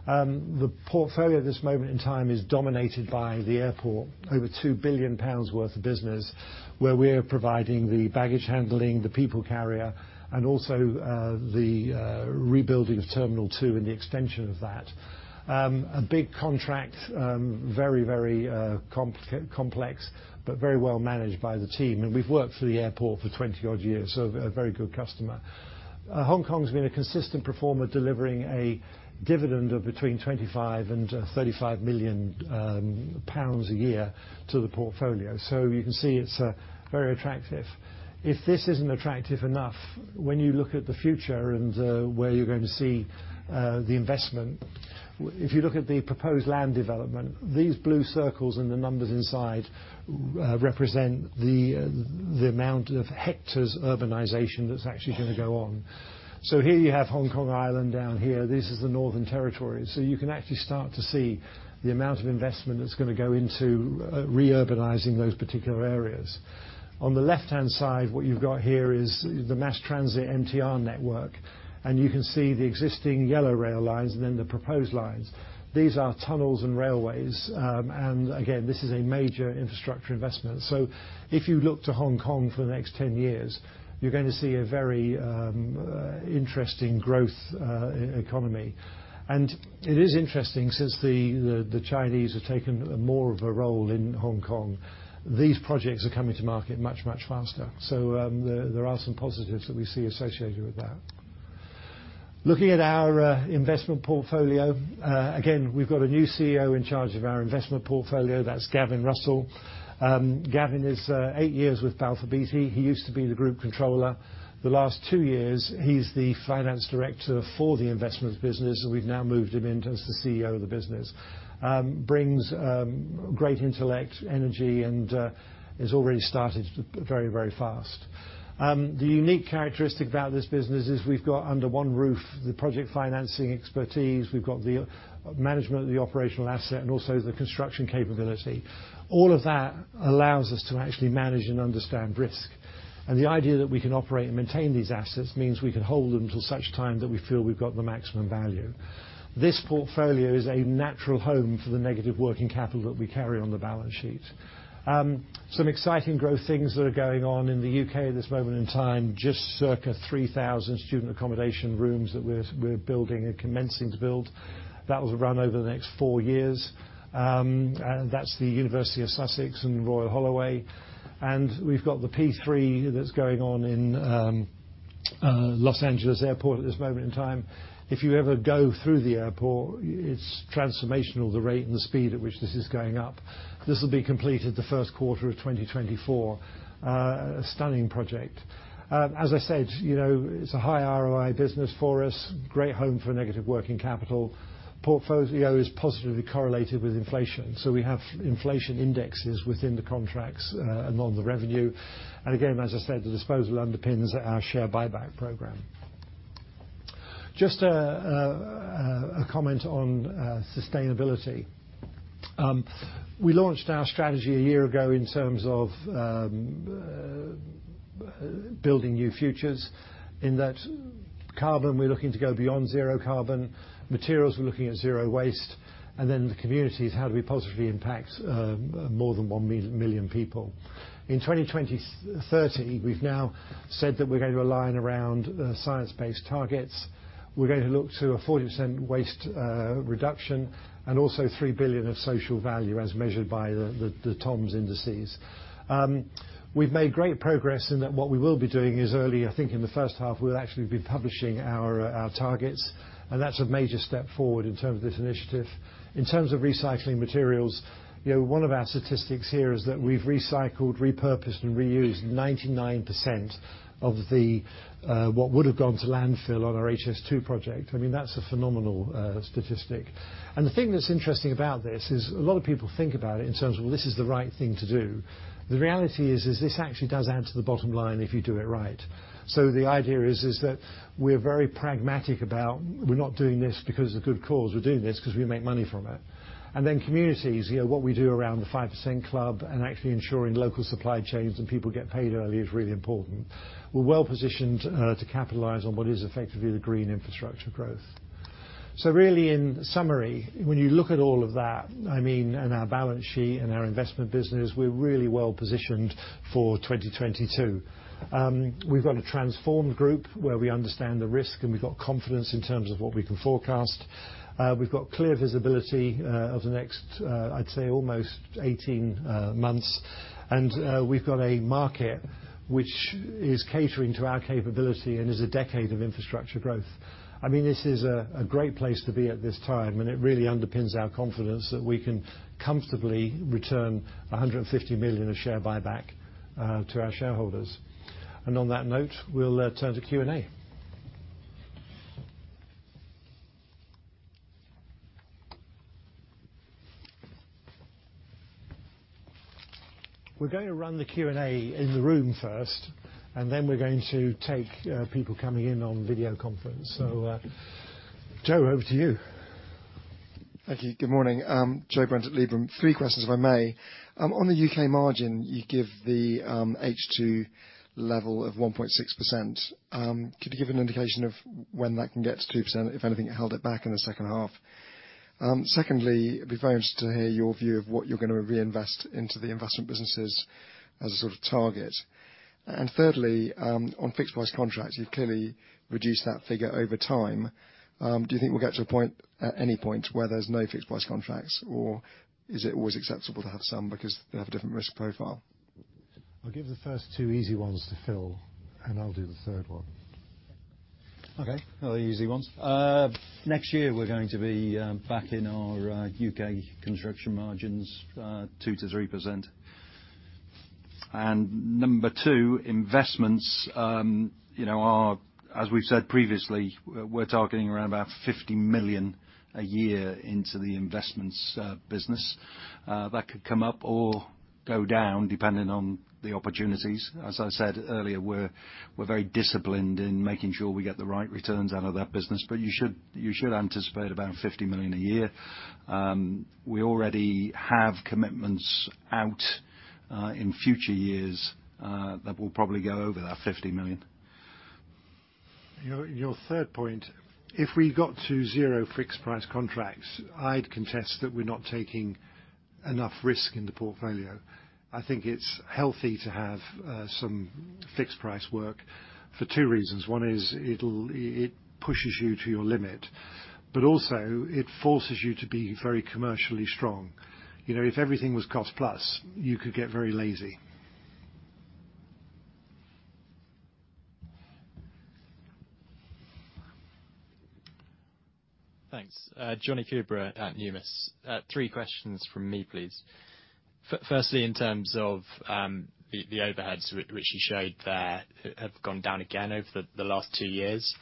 The portfolio at this moment in time is dominated by the airport, over 2 billion pounds worth of business, where we're providing the baggage handling, the people carrier, and also the rebuilding of Terminal 2 and the extension of that. A big contract, very complex, but very well-managed by the team. We've worked for the airport for 20-odd years, so a very good customer. Hong Kong's been a consistent performer, delivering a dividend of between 25 million and 35 million pounds a year to the portfolio. You can see it's very attractive. If this isn't attractive enough, when you look at the future and where you're going to see the investment, if you look at the proposed land development, these blue circles and the numbers inside represent the amount of hectares of urbanization that's actually gonna go on. Here you have Hong Kong Island down here. This is the Northern Territory. You can actually start to see the amount of investment that's gonna go into re-urbanizing those particular areas. On the left-hand side, what you've got here is the mass transit MTR network, and you can see the existing yellow rail lines and then the proposed lines. These are tunnels and railways, and again, this is a major infrastructure investment. If you look to Hong Kong for the next 10 years, you're going to see a very interesting growth economy. It is interesting since the Chinese have taken more of a role in Hong Kong. These projects are coming to market much faster. There are some positives that we see associated with that. Looking at our investment portfolio, again, we've got a new CEO in charge of our investment portfolio. That's Gavin Russell. Gavin is eight years with Balfour Beatty. He used to be the group controller. The last two years, he's the Finance Director for the investments business, and we've now moved him in as the CEO of the business. Brings great intellect, energy, and he's already started very fast. The unique characteristic about this business is we've got under one roof the project financing expertise, we've got the management of the operational asset, and also the construction capability. All of that allows us to actually manage and understand risk. The idea that we can operate and maintain these assets means we can hold them till such time that we feel we've got the maximum value. This portfolio is a natural home for the negative working capital that we carry on the balance sheet. Some exciting growth things that are going on in the U.K. at this moment in time, just circa 3,000 student accommodation rooms that we're building and commencing to build. That will run over the next four years. That's the University of Sussex and Royal Holloway. We've got the P3 that's going on in Los Angeles Airport at this moment in time. If you ever go through the airport, it's transformational, the rate and the speed at which this is going up. This will be completed in the first quarter of 2024. A stunning project. As I said, you know, it's a high ROI business for us, great home for negative working capital. Portfolio is positively correlated with inflation, so we have inflation indexes within the contracts and on the revenue. Again, as I said, the disposal underpins our share buyback program. Just a comment on sustainability. We launched our strategy a year ago in terms of building new futures in net zero carbon, we're looking to go beyond zero carbon. Materials, we're looking at zero waste. The communities, how do we positively impact more than 1 million people? In 2030, we've now said that we're going to align around science-based targets. We're going to look to a 40% waste reduction and also 3 billion of social value as measured by the TOMs indices. We've made great progress in that what we will be doing is early, I think in the first half, we'll actually be publishing our targets, and that's a major step forward in terms of this initiative. In terms of recycling materials, you know, one of our statistics here is that we've recycled, repurposed, and reused 99% of what would have gone to landfill on our HS2 project. I mean, that's a phenomenal statistic. The thing that's interesting about this is a lot of people think about it in terms of, well, this is the right thing to do. The reality is, this actually does add to the bottom line if you do it right. The idea is that we're very pragmatic about we're not doing this because the good cause. We're doing this because we make money from it. Then communities, you know, what we do around the 5% Club and actually ensuring local supply chains and people get paid early is really important. We're well-positioned to capitalize on what is effectively the green infrastructure growth. Really in summary, when you look at all of that, I mean, and our balance sheet and our investment business, we're really well positioned for 2022. We've got a transformed group where we understand the risk, and we've got confidence in terms of what we can forecast. We've got clear visibility over the next, I'd say almost 18 months. We've got a market which is catering to our capability and is a decade of infrastructure growth. I mean, this is a great place to be at this time, and it really underpins our confidence that we can comfortably return 150 million of share buyback to our shareholders. On that note, we'll turn to Q&A. We're going to run the Q&A in the room first, and then we're going to take people coming in on video conference. Joe, over to you. Thank you. Good morning. Joe Brent at Liberum. Three questions, if I may. On the U.K. margin, you give the H2 level of 1.6%. Could you give an indication of when that can get to 2%, if anything held it back in the second half? Secondly, I'd be very interested to hear your view of what you're gonna reinvest into the investment businesses as a sort of target. Thirdly, on fixed-price contracts, you've clearly reduced that figure over time. Do you think we'll get to a point at any point where there's no fixed-price contracts, or is it always acceptable to have some because they have a different risk profile? I'll give the first two easy ones to Phil, and I'll do the third one. Okay. They're easy ones. Next year, we're going to be back in our U.K. Construction margins 2%-3%. Number two, investments, you know, are, as we've said previously, we're targeting around about 50 million a year into the Investments business. That could come up or go down depending on the opportunities. As I said earlier, we're very disciplined in making sure we get the right returns out of that business. You should anticipate about 50 million a year. We already have commitments out in future years that will probably go over that 50 million. Your third point, if we got to zero fixed-price contracts, I'd contest that we're not taking enough risk in the portfolio. I think it's healthy to have some fixed price work for two reasons. One is it pushes you to your limit, but also it forces you to be very commercially strong. You know, if everything was cost plus, you could get very lazy. Thanks. Jonny Coubrough at Numis. Three questions from me please. Firstly, in terms of the overheads which you showed there have gone down again over the last two years.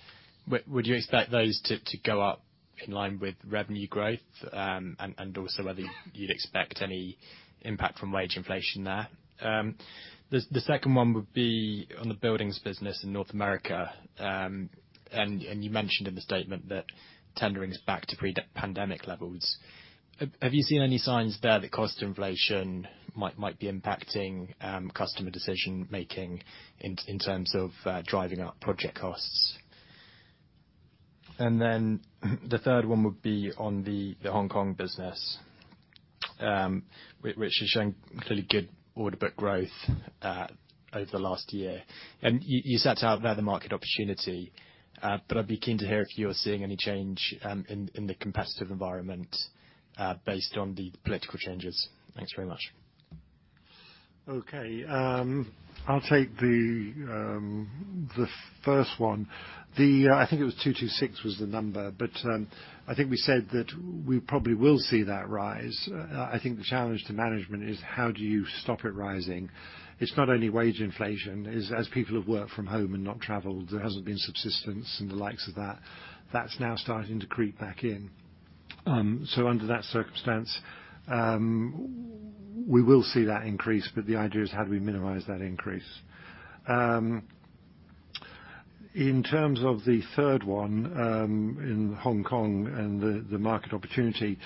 Would you expect those to go up in line with revenue growth? And also whether you'd expect any impact from wage inflation there. The second one would be on the buildings business in North America. You mentioned in the statement that tendering is back to pre-pandemic levels. Have you seen any signs there that cost inflation might be impacting customer decision-making in terms of driving up project costs? The third one would be on the Hong Kong business, which is showing clearly good order book growth over the last year. You set out there the market opportunity, but I'd be keen to hear if you're seeing any change in the competitive environment based on the political changes. Thanks very much. Okay. I'll take the first one. I think it was 226 was the number, but I think we said that we probably will see that rise. I think the challenge to management is how do you stop it rising? It's not only wage inflation, as people have worked from home and not traveled, there hasn't been subsistence and the likes of that. That's now starting to creep back in. So under that circumstance, we will see that increase, but the idea is how do we minimize that increase? In terms of the third one, in Hong Kong and the market opportunity,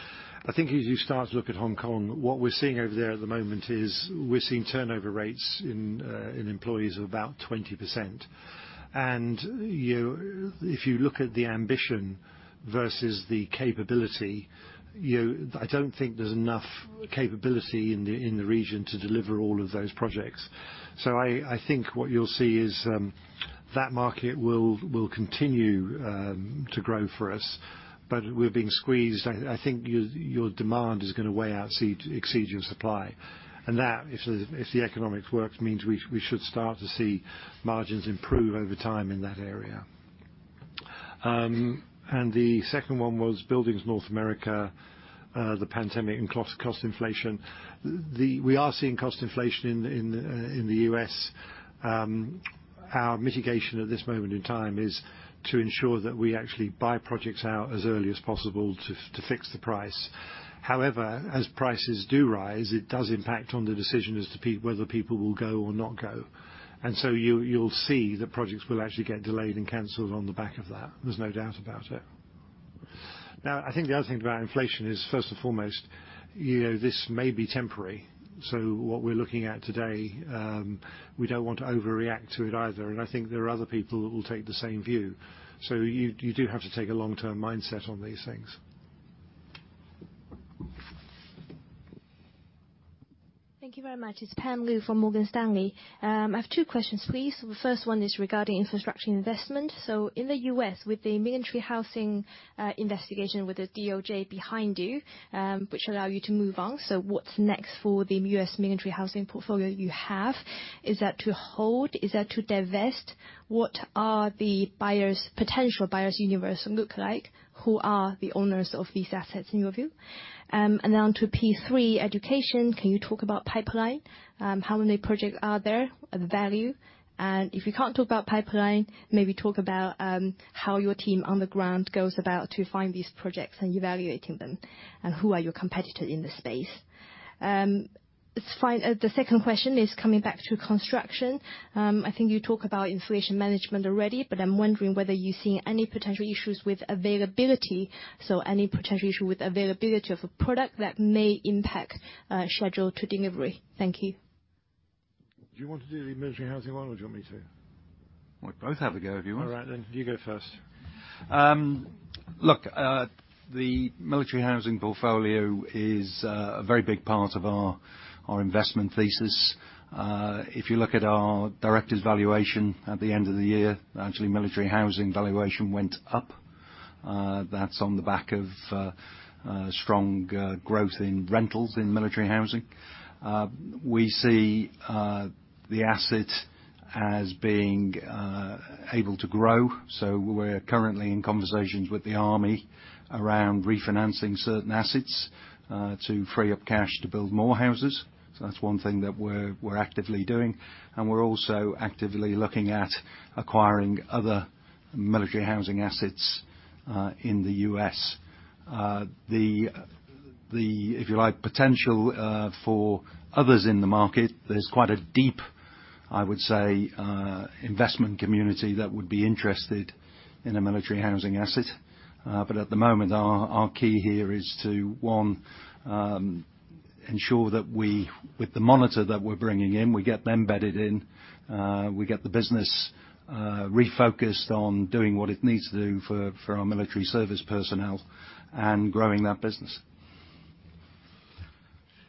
I think as you start to look at Hong Kong, what we're seeing over there at the moment is we're seeing turnover rates in employees of about 20%. You know, if you look at the ambition versus the capability, you know, I don't think there's enough capability in the region to deliver all of those projects. I think what you'll see is that market will continue to grow for us, but we're being squeezed. I think your demand is gonna way out exceed your supply. That, if the economics works, means we should start to see margins improve over time in that area. The second one was buildings North America, the pandemic and cost inflation. We are seeing cost inflation in the U.S. Our mitigation at this moment in time is to ensure that we actually buy projects out as early as possible to fix the price. However, as prices do rise, it does impact on the decision as to whether people will go or not go. You'll see that projects will actually get delayed and canceled on the back of that. There's no doubt about it. Now, I think the other thing about inflation is first and foremost, you know, this may be temporary. What we're looking at today, we don't want to overreact to it either, and I think there are other people that will take the same view. You do have to take a long-term mindset on these things. Thank you very much. It's Pam Liu from Morgan Stanley. I have two questions, please. The first one is regarding infrastructure investment. In the U.S., with the military housing investigation with the DOJ behind you, which allow you to move on, what's next for the U.S. military housing portfolio you have? Is that to hold? Is that to divest? What are the buyers', potential buyers' universe look like? Who are the owners of these assets in your view? And then onto P3 education, can you talk about pipeline? How many projects are there of value? And if you can't talk about pipeline, maybe talk about, how your team on the ground goes about to find these projects and evaluating them, and who are your competitor in this space? It's fine. The second question is coming back to construction. I think you talk about inflation management already, but I'm wondering whether you're seeing any potential issues with availability, so any potential issue with availability of a product that may impact schedule to delivery. Thank you. Do you want to do the military housing one, or do you want me to? We can both have a go if you want. All right then. You go first. Look, the military housing portfolio is a very big part of our investment thesis. If you look at our Directors' valuation at the end of the year, actually military housing valuation went up. That's on the back of strong growth in rentals in military housing. We see the asset as being able to grow, so we're currently in conversations with the army around refinancing certain assets to free up cash to build more houses. That's one thing that we're actively doing, and we're also actively looking at acquiring other military housing assets in the U.S. The, if you like, potential for others in the market, there's quite a deep, I would say, investment community that would be interested in a military housing asset. At the moment, our key here is to one ensure that we, with the monitor that we're bringing in, get them bedded in, get the business refocused on doing what it needs to do for our military service personnel and growing that business.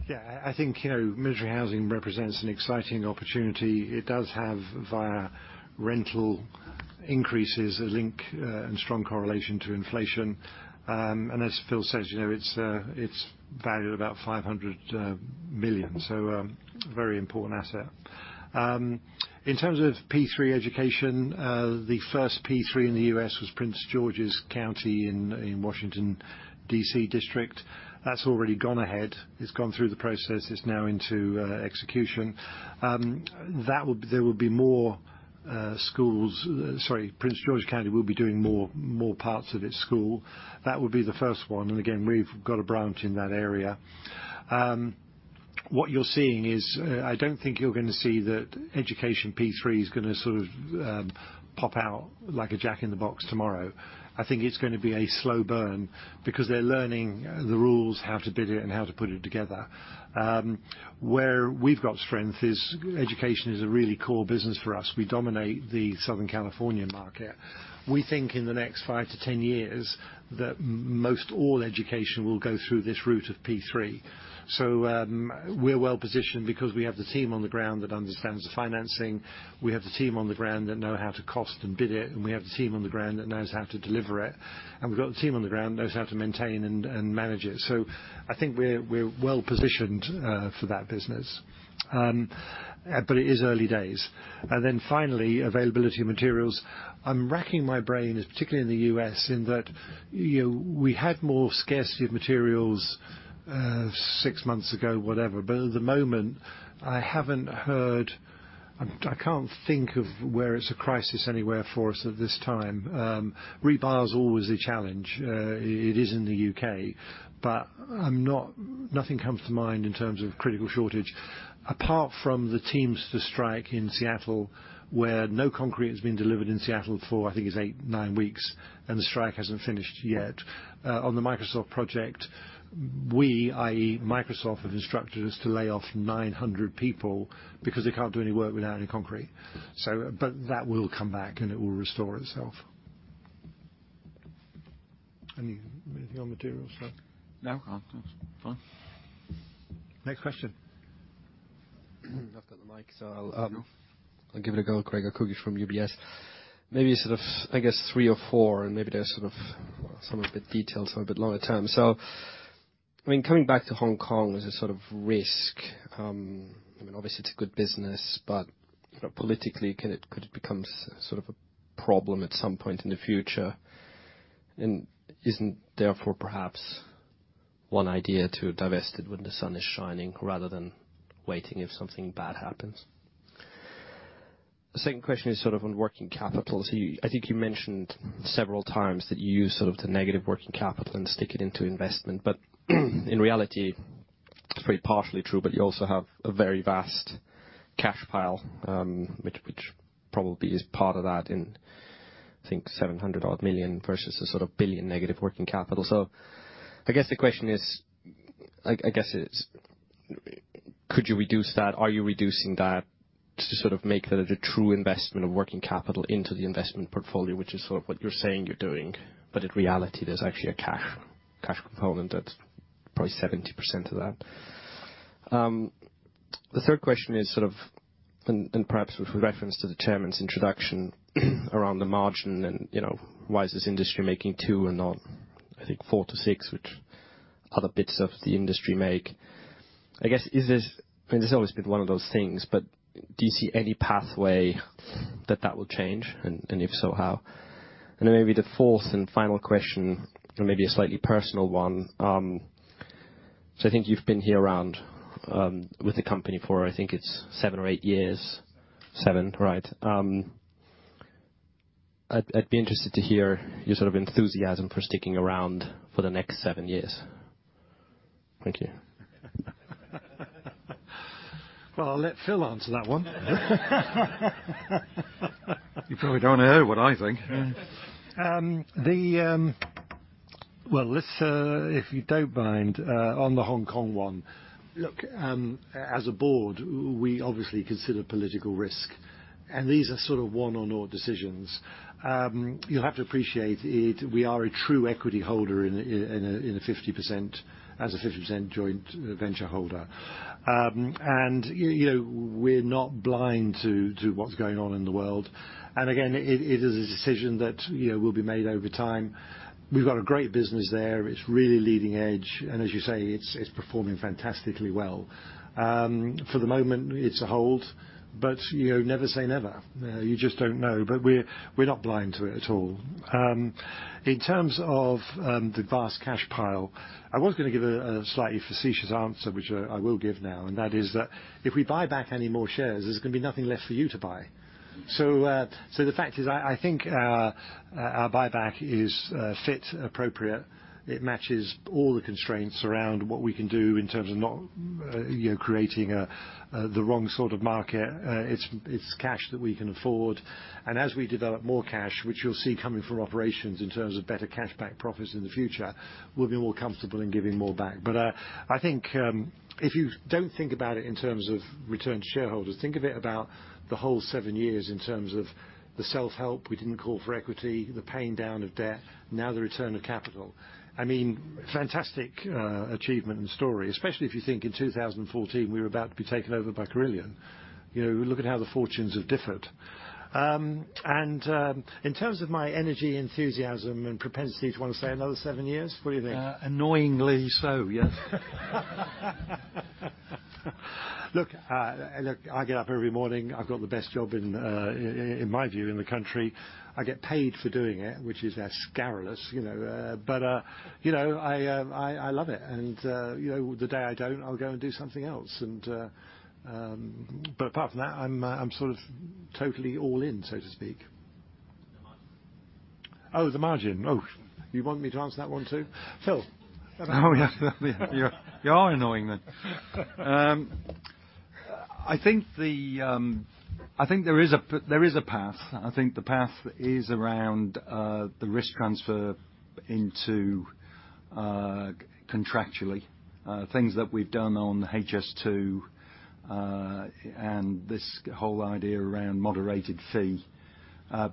Yeah. I think, you know, military housing represents an exciting opportunity. It does have via rental increases, a link and strong correlation to inflation. And as Phil says, you know, it's valued about $500 million, so a very important asset. In terms of P3 education, the first P3 in the U.S. was Prince George's County in Washington, D.C. district. That's already gone ahead. It's gone through the process. It's now into execution. Sorry, Prince George's County will be doing more parts of its school. That would be the first one, and again, we've got a branch in that area. What you're seeing is, I don't think you're gonna see that education P3 is gonna sort of pop out like a jack-in-the-box tomorrow. I think it's gonna be a slow burn because they're learning the rules, how to bid it, and how to put it together. Where we've got strength is education is a really core business for us. We dominate the Southern California market. We think in the next five to 10 years that most all education will go through this route of P3. We're well-positioned because we have the team on the ground that understands the financing. We have the team on the ground that know how to cost and bid it, and we have the team on the ground that knows how to deliver it, and we've got the team on the ground that knows how to maintain and manage it. I think we're well-positioned for that business. But it is early days. Finally, availability of materials. I'm racking my brain, particularly in the U.S., in that, you know, we had more scarcity of materials six months ago, whatever, but at the moment, I haven't heard. I can't think of where it's a crisis anywhere for us at this time. Rebar is always a challenge. It is in the U.K., but nothing comes to mind in terms of critical shortage. Apart from the Teamsters strike in Seattle, where no concrete has been delivered in Seattle for I think it's eight to nine weeks, and the strike hasn't finished yet. On the Microsoft project, we, i.e., Microsoft, have instructed us to lay off 900 people because they can't do any work without any concrete. But that will come back, and it will restore itself. Anything on materials? No. I'm good. Fine. Next question. I've got the mic, so I'll. I'll give it a go, Craig. I'm Gregor Kuglitsch from UBS. Maybe, I guess, three or four, and maybe there are sort of some of the details that are a bit longer term. I mean, coming back to Hong Kong as a sort of risk. I mean, obviously it's a good business, but politically, could it become sort of a problem at some point in the future? And isn't therefore perhaps one idea to divest it when the sun is shining rather than waiting if something bad happens? The second question is sort of on working capital. I think you mentioned several times that you use sort of the negative working capital and stick it into investment. In reality, it's very partially true, but you also have a very vast cash pile, which probably is part of that in, I think, 700 million versus a sort of 1 billion negative working capital. I guess the question is. I guess it's could you reduce that? Are you reducing that to sort of make that a true investment of working capital into the investment portfolio, which is sort of what you're saying you're doing, but in reality, there's actually a cash component that's probably 70% of that. The third question is sort of and perhaps with reference to the Chairman's introduction around the margin and, you know, why is this industry making 2% and not, I think, 4%-6%, which other bits of the industry make. I guess, is this. I mean, it's always been one of those things, but do you see any pathway that will change? If so, how? Then maybe the fourth and final question, and maybe a slightly personal one, so I think you've been here around with the company for, I think it's seven or eight years. Seven. Right. I'd be interested to hear your sort of enthusiasm for sticking around for the next seven years. Thank you. Well, I'll let Phil answer that one. You probably don't wanna hear what I think. Yeah. Well, let's, if you don't mind, on the Hong Kong one. Look, as a board, we obviously consider political risk, and these are sort of one-on-one decisions. You'll have to appreciate it, we are a true equity holder in a 50%, as a 50% joint venture holder. You know, we're not blind to what's going on in the world. Again, it is a decision that, you know, will be made over time. We've got a great business there. It's really leading edge, and as you say, it's performing fantastically well. For the moment, it's a hold, but, you know, never say never. You just don't know. We're not blind to it at all. In terms of the vast cash pile, I was gonna give a slightly facetious answer, which I will give now, and that is that if we buy back any more shares, there's gonna be nothing left for you to buy. The fact is, I think our buyback is appropriate. It matches all the constraints around what we can do in terms of not you know creating the wrong sort of market. It's cash that we can afford. As we develop more cash, which you'll see coming from operations in terms of better cash-backed profits in the future, we'll be more comfortable in giving more back. I think if you don't think about it in terms of return to shareholders, think of it about the whole seven years in terms of the self-help. We didn't call for equity, the paying down of debt. Now the return of capital. I mean, fantastic achievement and story, especially if you think in 2014, we were about to be taken over by Carillion. You know, look at how the fortunes have differed. In terms of my energy, enthusiasm and propensity to wanna stay another seven years, what do you think? Annoyingly so, yes. Look, I get up every morning. I've got the best job in my view, in the country. I get paid for doing it, which is scurrilous, you know. You know, I love it. Apart from that, I'm sort of totally all in, so to speak. The margin. Oh, the margin. Oh, you want me to answer that one too? Phil. Oh, yeah. You are annoying then. I think there is a path. I think the path is around the risk transfer into contractually things that we've done on HS2 and this whole idea around moderated fee.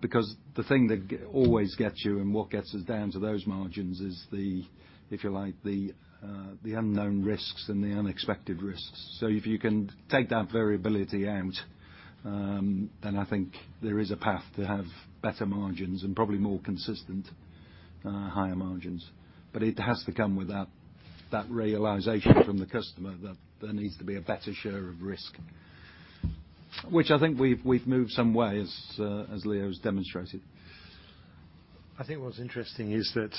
Because the thing that always gets you and what gets us down to those margins is the, if you like, the unknown risks and the unexpected risks. If you can take that variability out, then I think there is a path to have better margins and probably more consistent higher margins. It has to come with that realization from the customer that there needs to be a better share of risk. Which I think we've moved some way, as Leo's demonstrated. I think what's interesting is that,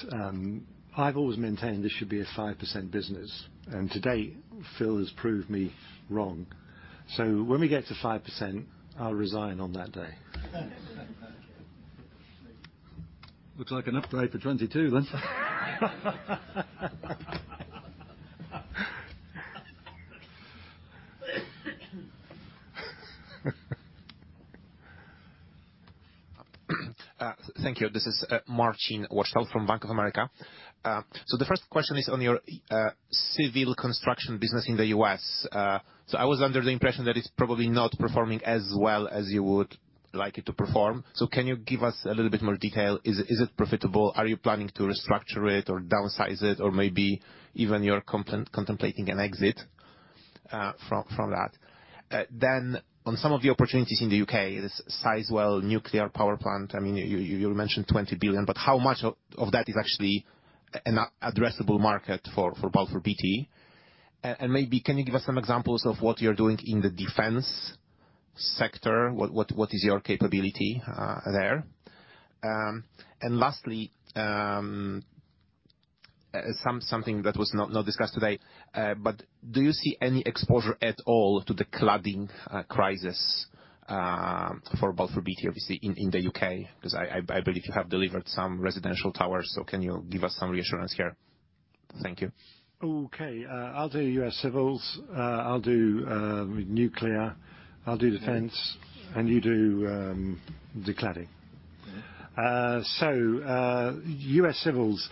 I've always maintained this should be a 5% business, and today, Phil has proved me wrong. When we get to 5%, I'll resign on that day. Looks like an upgrade for 2022 then. Thank you. This is Marcin Wojtal from Bank of America. The first question is on your civil construction business in the U.S. I was under the impression that it's probably not performing as well as you would like it to perform. Can you give us a little bit more detail? Is it profitable? Are you planning to restructure it or downsize it, or maybe even you're contemplating an exit from that? On some of the opportunities in the U.K., the Sizewell nuclear power plant, I mean, you mentioned 20 billion, but how much of that is actually an addressable market for Balfour Beatty? And maybe can you give us some examples of what you're doing in the defense sector? What is your capability there? Lastly, something that was not discussed today, but do you see any exposure at all to the cladding crisis for Balfour Beatty, obviously in the U.K.? Because I believe you have delivered some residential towers, so can you give us some reassurance here? Thank you. Okay. I'll do U.S. civils, I'll do nuclear, I'll do defense, and you do the cladding. Yeah. U.S. civils.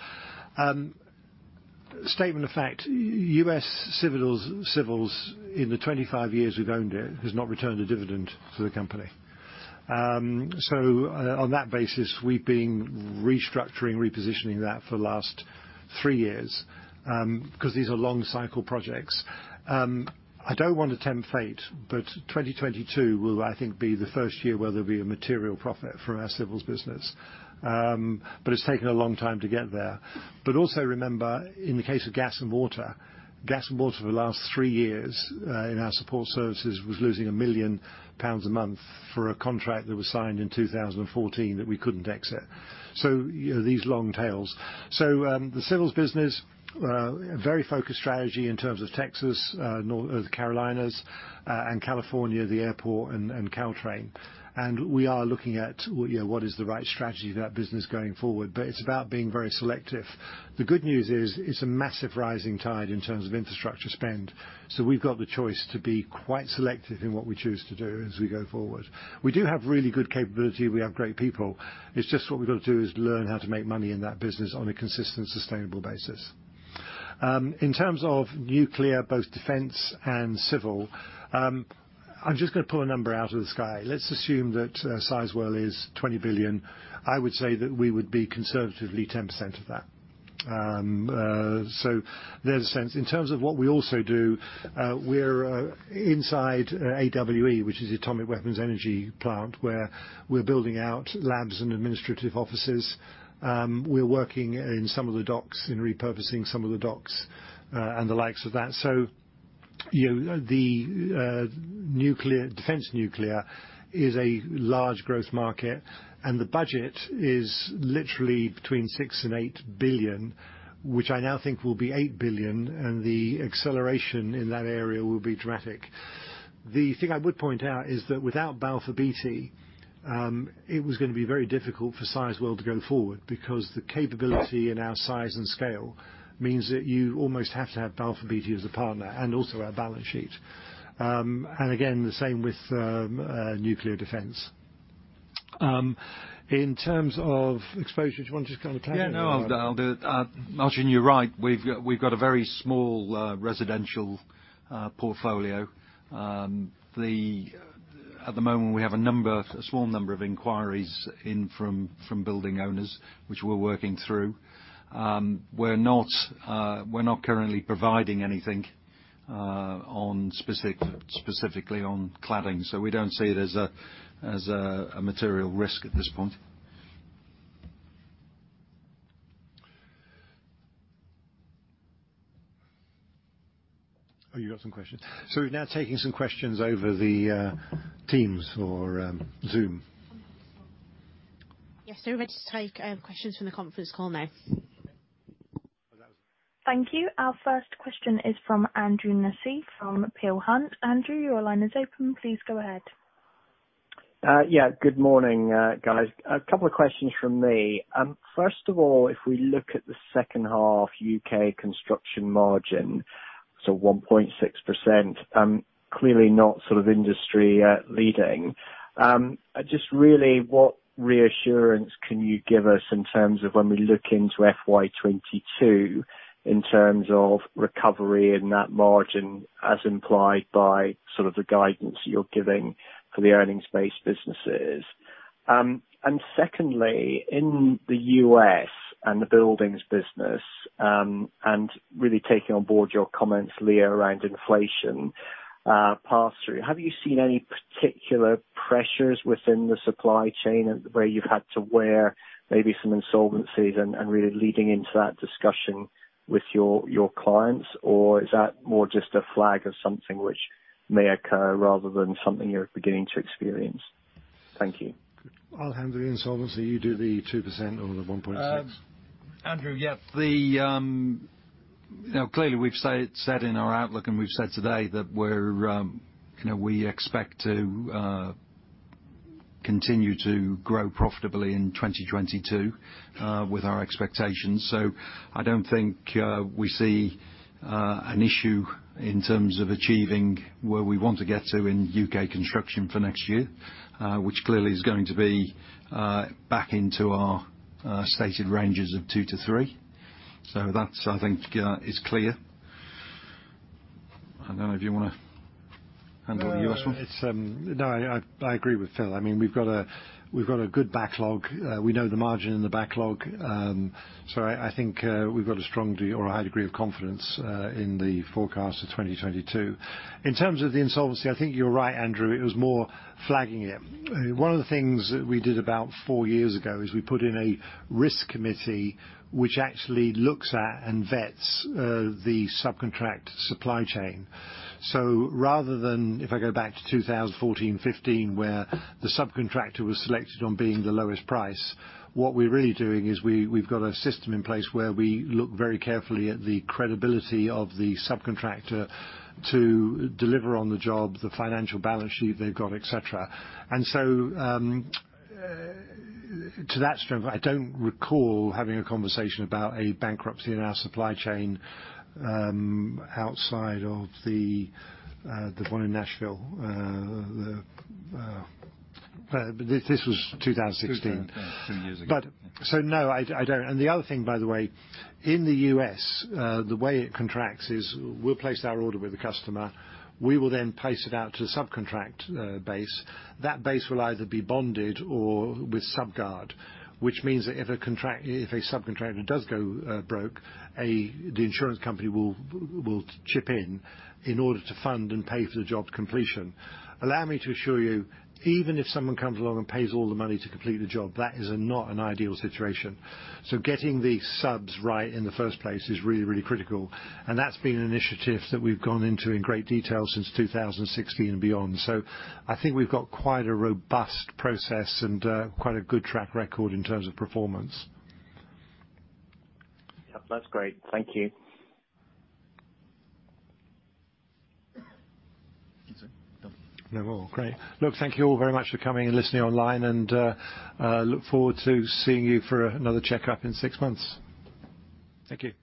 Statement of fact, U.S. civils in the 25 years we've owned it has not returned a dividend to the company. On that basis, we've been restructuring, repositioning that for the last three years, 'cause these are long cycle projects. I don't want to tempt fate, but 2022 will, I think, be the first year where there'll be a material profit from our civils business. It's taken a long time to get there. Also remember, in the case of gas and water for the last three years in our support services was losing 1 million pounds a month for a contract that was signed in 2014 that we couldn't exit. You know, these long tails. The civils business, a very focused strategy in terms of Texas, the Carolinas, and California, the airport and Caltrain. We are looking at, you know, what is the right strategy for that business going forward. It's about being very selective. The good news is it's a massive rising tide in terms of infrastructure spend. We've got the choice to be quite selective in what we choose to do as we go forward. We do have really good capability. We have great people. It's just what we've got to do is learn how to make money in that business on a consistent, sustainable basis. In terms of nuclear, both defense and civil, I'm just gonna pull a number out of the sky. Let's assume that Sizewell is 20 billion. I would say that we would be conservatively 10% of that. There's a sense. In terms of what we also do, we're inside AWE, which is the Atomic Weapons Establishment, where we're building out labs and administrative offices. We're working in some of the docks and repurposing some of the docks, and the likes of that. You know, the nuclear defense nuclear is a large growth market, and the budget is literally between 6 billion and 8 billion, which I now think will be 8 billion, and the acceleration in that area will be dramatic. The thing I would point out is that without Balfour Beatty, it was gonna be very difficult for Sizewell to go forward because the capability and our size and scale means that you almost have to have Balfour Beatty as a partner and also our balance sheet. Again, the same with nuclear defense. In terms of exposure, do you want to just kind of touch on that? Yeah, no, I'll do it. Martin, you're right. We've got a very small residential portfolio. At the moment, we have a small number of inquiries in from building owners, which we're working through. We're not currently providing anything specifically on cladding, so we don't see it as a material risk at this point. Oh, you got some questions. We're now taking some questions over the Teams or Zoom. Yes. We're going to take questions from the conference call now. Oh, that was- Thank you. Our first question is from Andrew Nussey from Peel Hunt. Andrew, your line is open. Please go ahead. Yeah, good morning, guys. A couple of questions from me. First of all, if we look at the second half U.K. Construction margin, so 1.6%, clearly not sort of industry leading. Just really what reassurance can you give us in terms of when we look into FY 2022 in terms of recovery in that margin as implied by sort of the guidance you're giving for the earnings-based businesses? And secondly, in the U.S. and the buildings business, and really taking on board your comments, Leo, around inflation pass-through, have you seen any particular pressures within the supply chain and where you've had to wear maybe some insolvencies and really leading into that discussion with your clients? Or is that more just a flag of something which may occur rather than something you're beginning to experience? Thank you. I'll handle the insolvency. You do the 2% or the 1.6%. Andrew, yeah. The, you know, clearly we've said in our outlook and we've said today that we're, you know, we expect to continue to grow profitably in 2022 with our expectations. I don't think we see an issue in terms of achieving where we want to get to in U.K. Construction for next year, which clearly is going to be back into our stated ranges of 2%-3%. That's, I think, is clear. I don't know if you wanna handle the U.S. one. No, I agree with Phil. I mean, we've got a good backlog. We know the margin and the backlog. So I think we've got a high degree of confidence in the forecast of 2022. In terms of the insolvency, I think you're right, Andrew. It was more flagging it. One of the things that we did about four years ago is we put in a risk committee which actually looks at and vets the subcontract supply chain. Rather than if I go back to 2014, 2015, where the subcontractor was selected on being the lowest price, what we're really doing is we've got a system in place where we look very carefully at the credibility of the subcontractor to deliver on the job, the financial balance sheet they've got, et cetera. To that strength, I don't recall having a conversation about a bankruptcy in our supply chain outside of the one in Nashville. This was 2016. Yeah, two years ago. No, I don't. The other thing, by the way, in the U.S., the way it contracts is we'll place our order with the customer. We will then pass it out to a subcontract base. That base will either be bonded or with Subguard, which means that if a subcontractor does go broke, the insurance company will chip in in order to fund and pay for the job to completion. Allow me to assure you, even if someone comes along and pays all the money to complete the job, that is not an ideal situation. Getting the subs right in the first place is really critical. That's been an initiative that we've gone into in great detail since 2016 and beyond. I think we've got quite a robust process and quite a good track record in terms of performance. Yeah. That's great. Thank you. That's it. Done. No. Great. Look, thank you all very much for coming and listening online and look forward to seeing you for another checkup in six months. Thank you.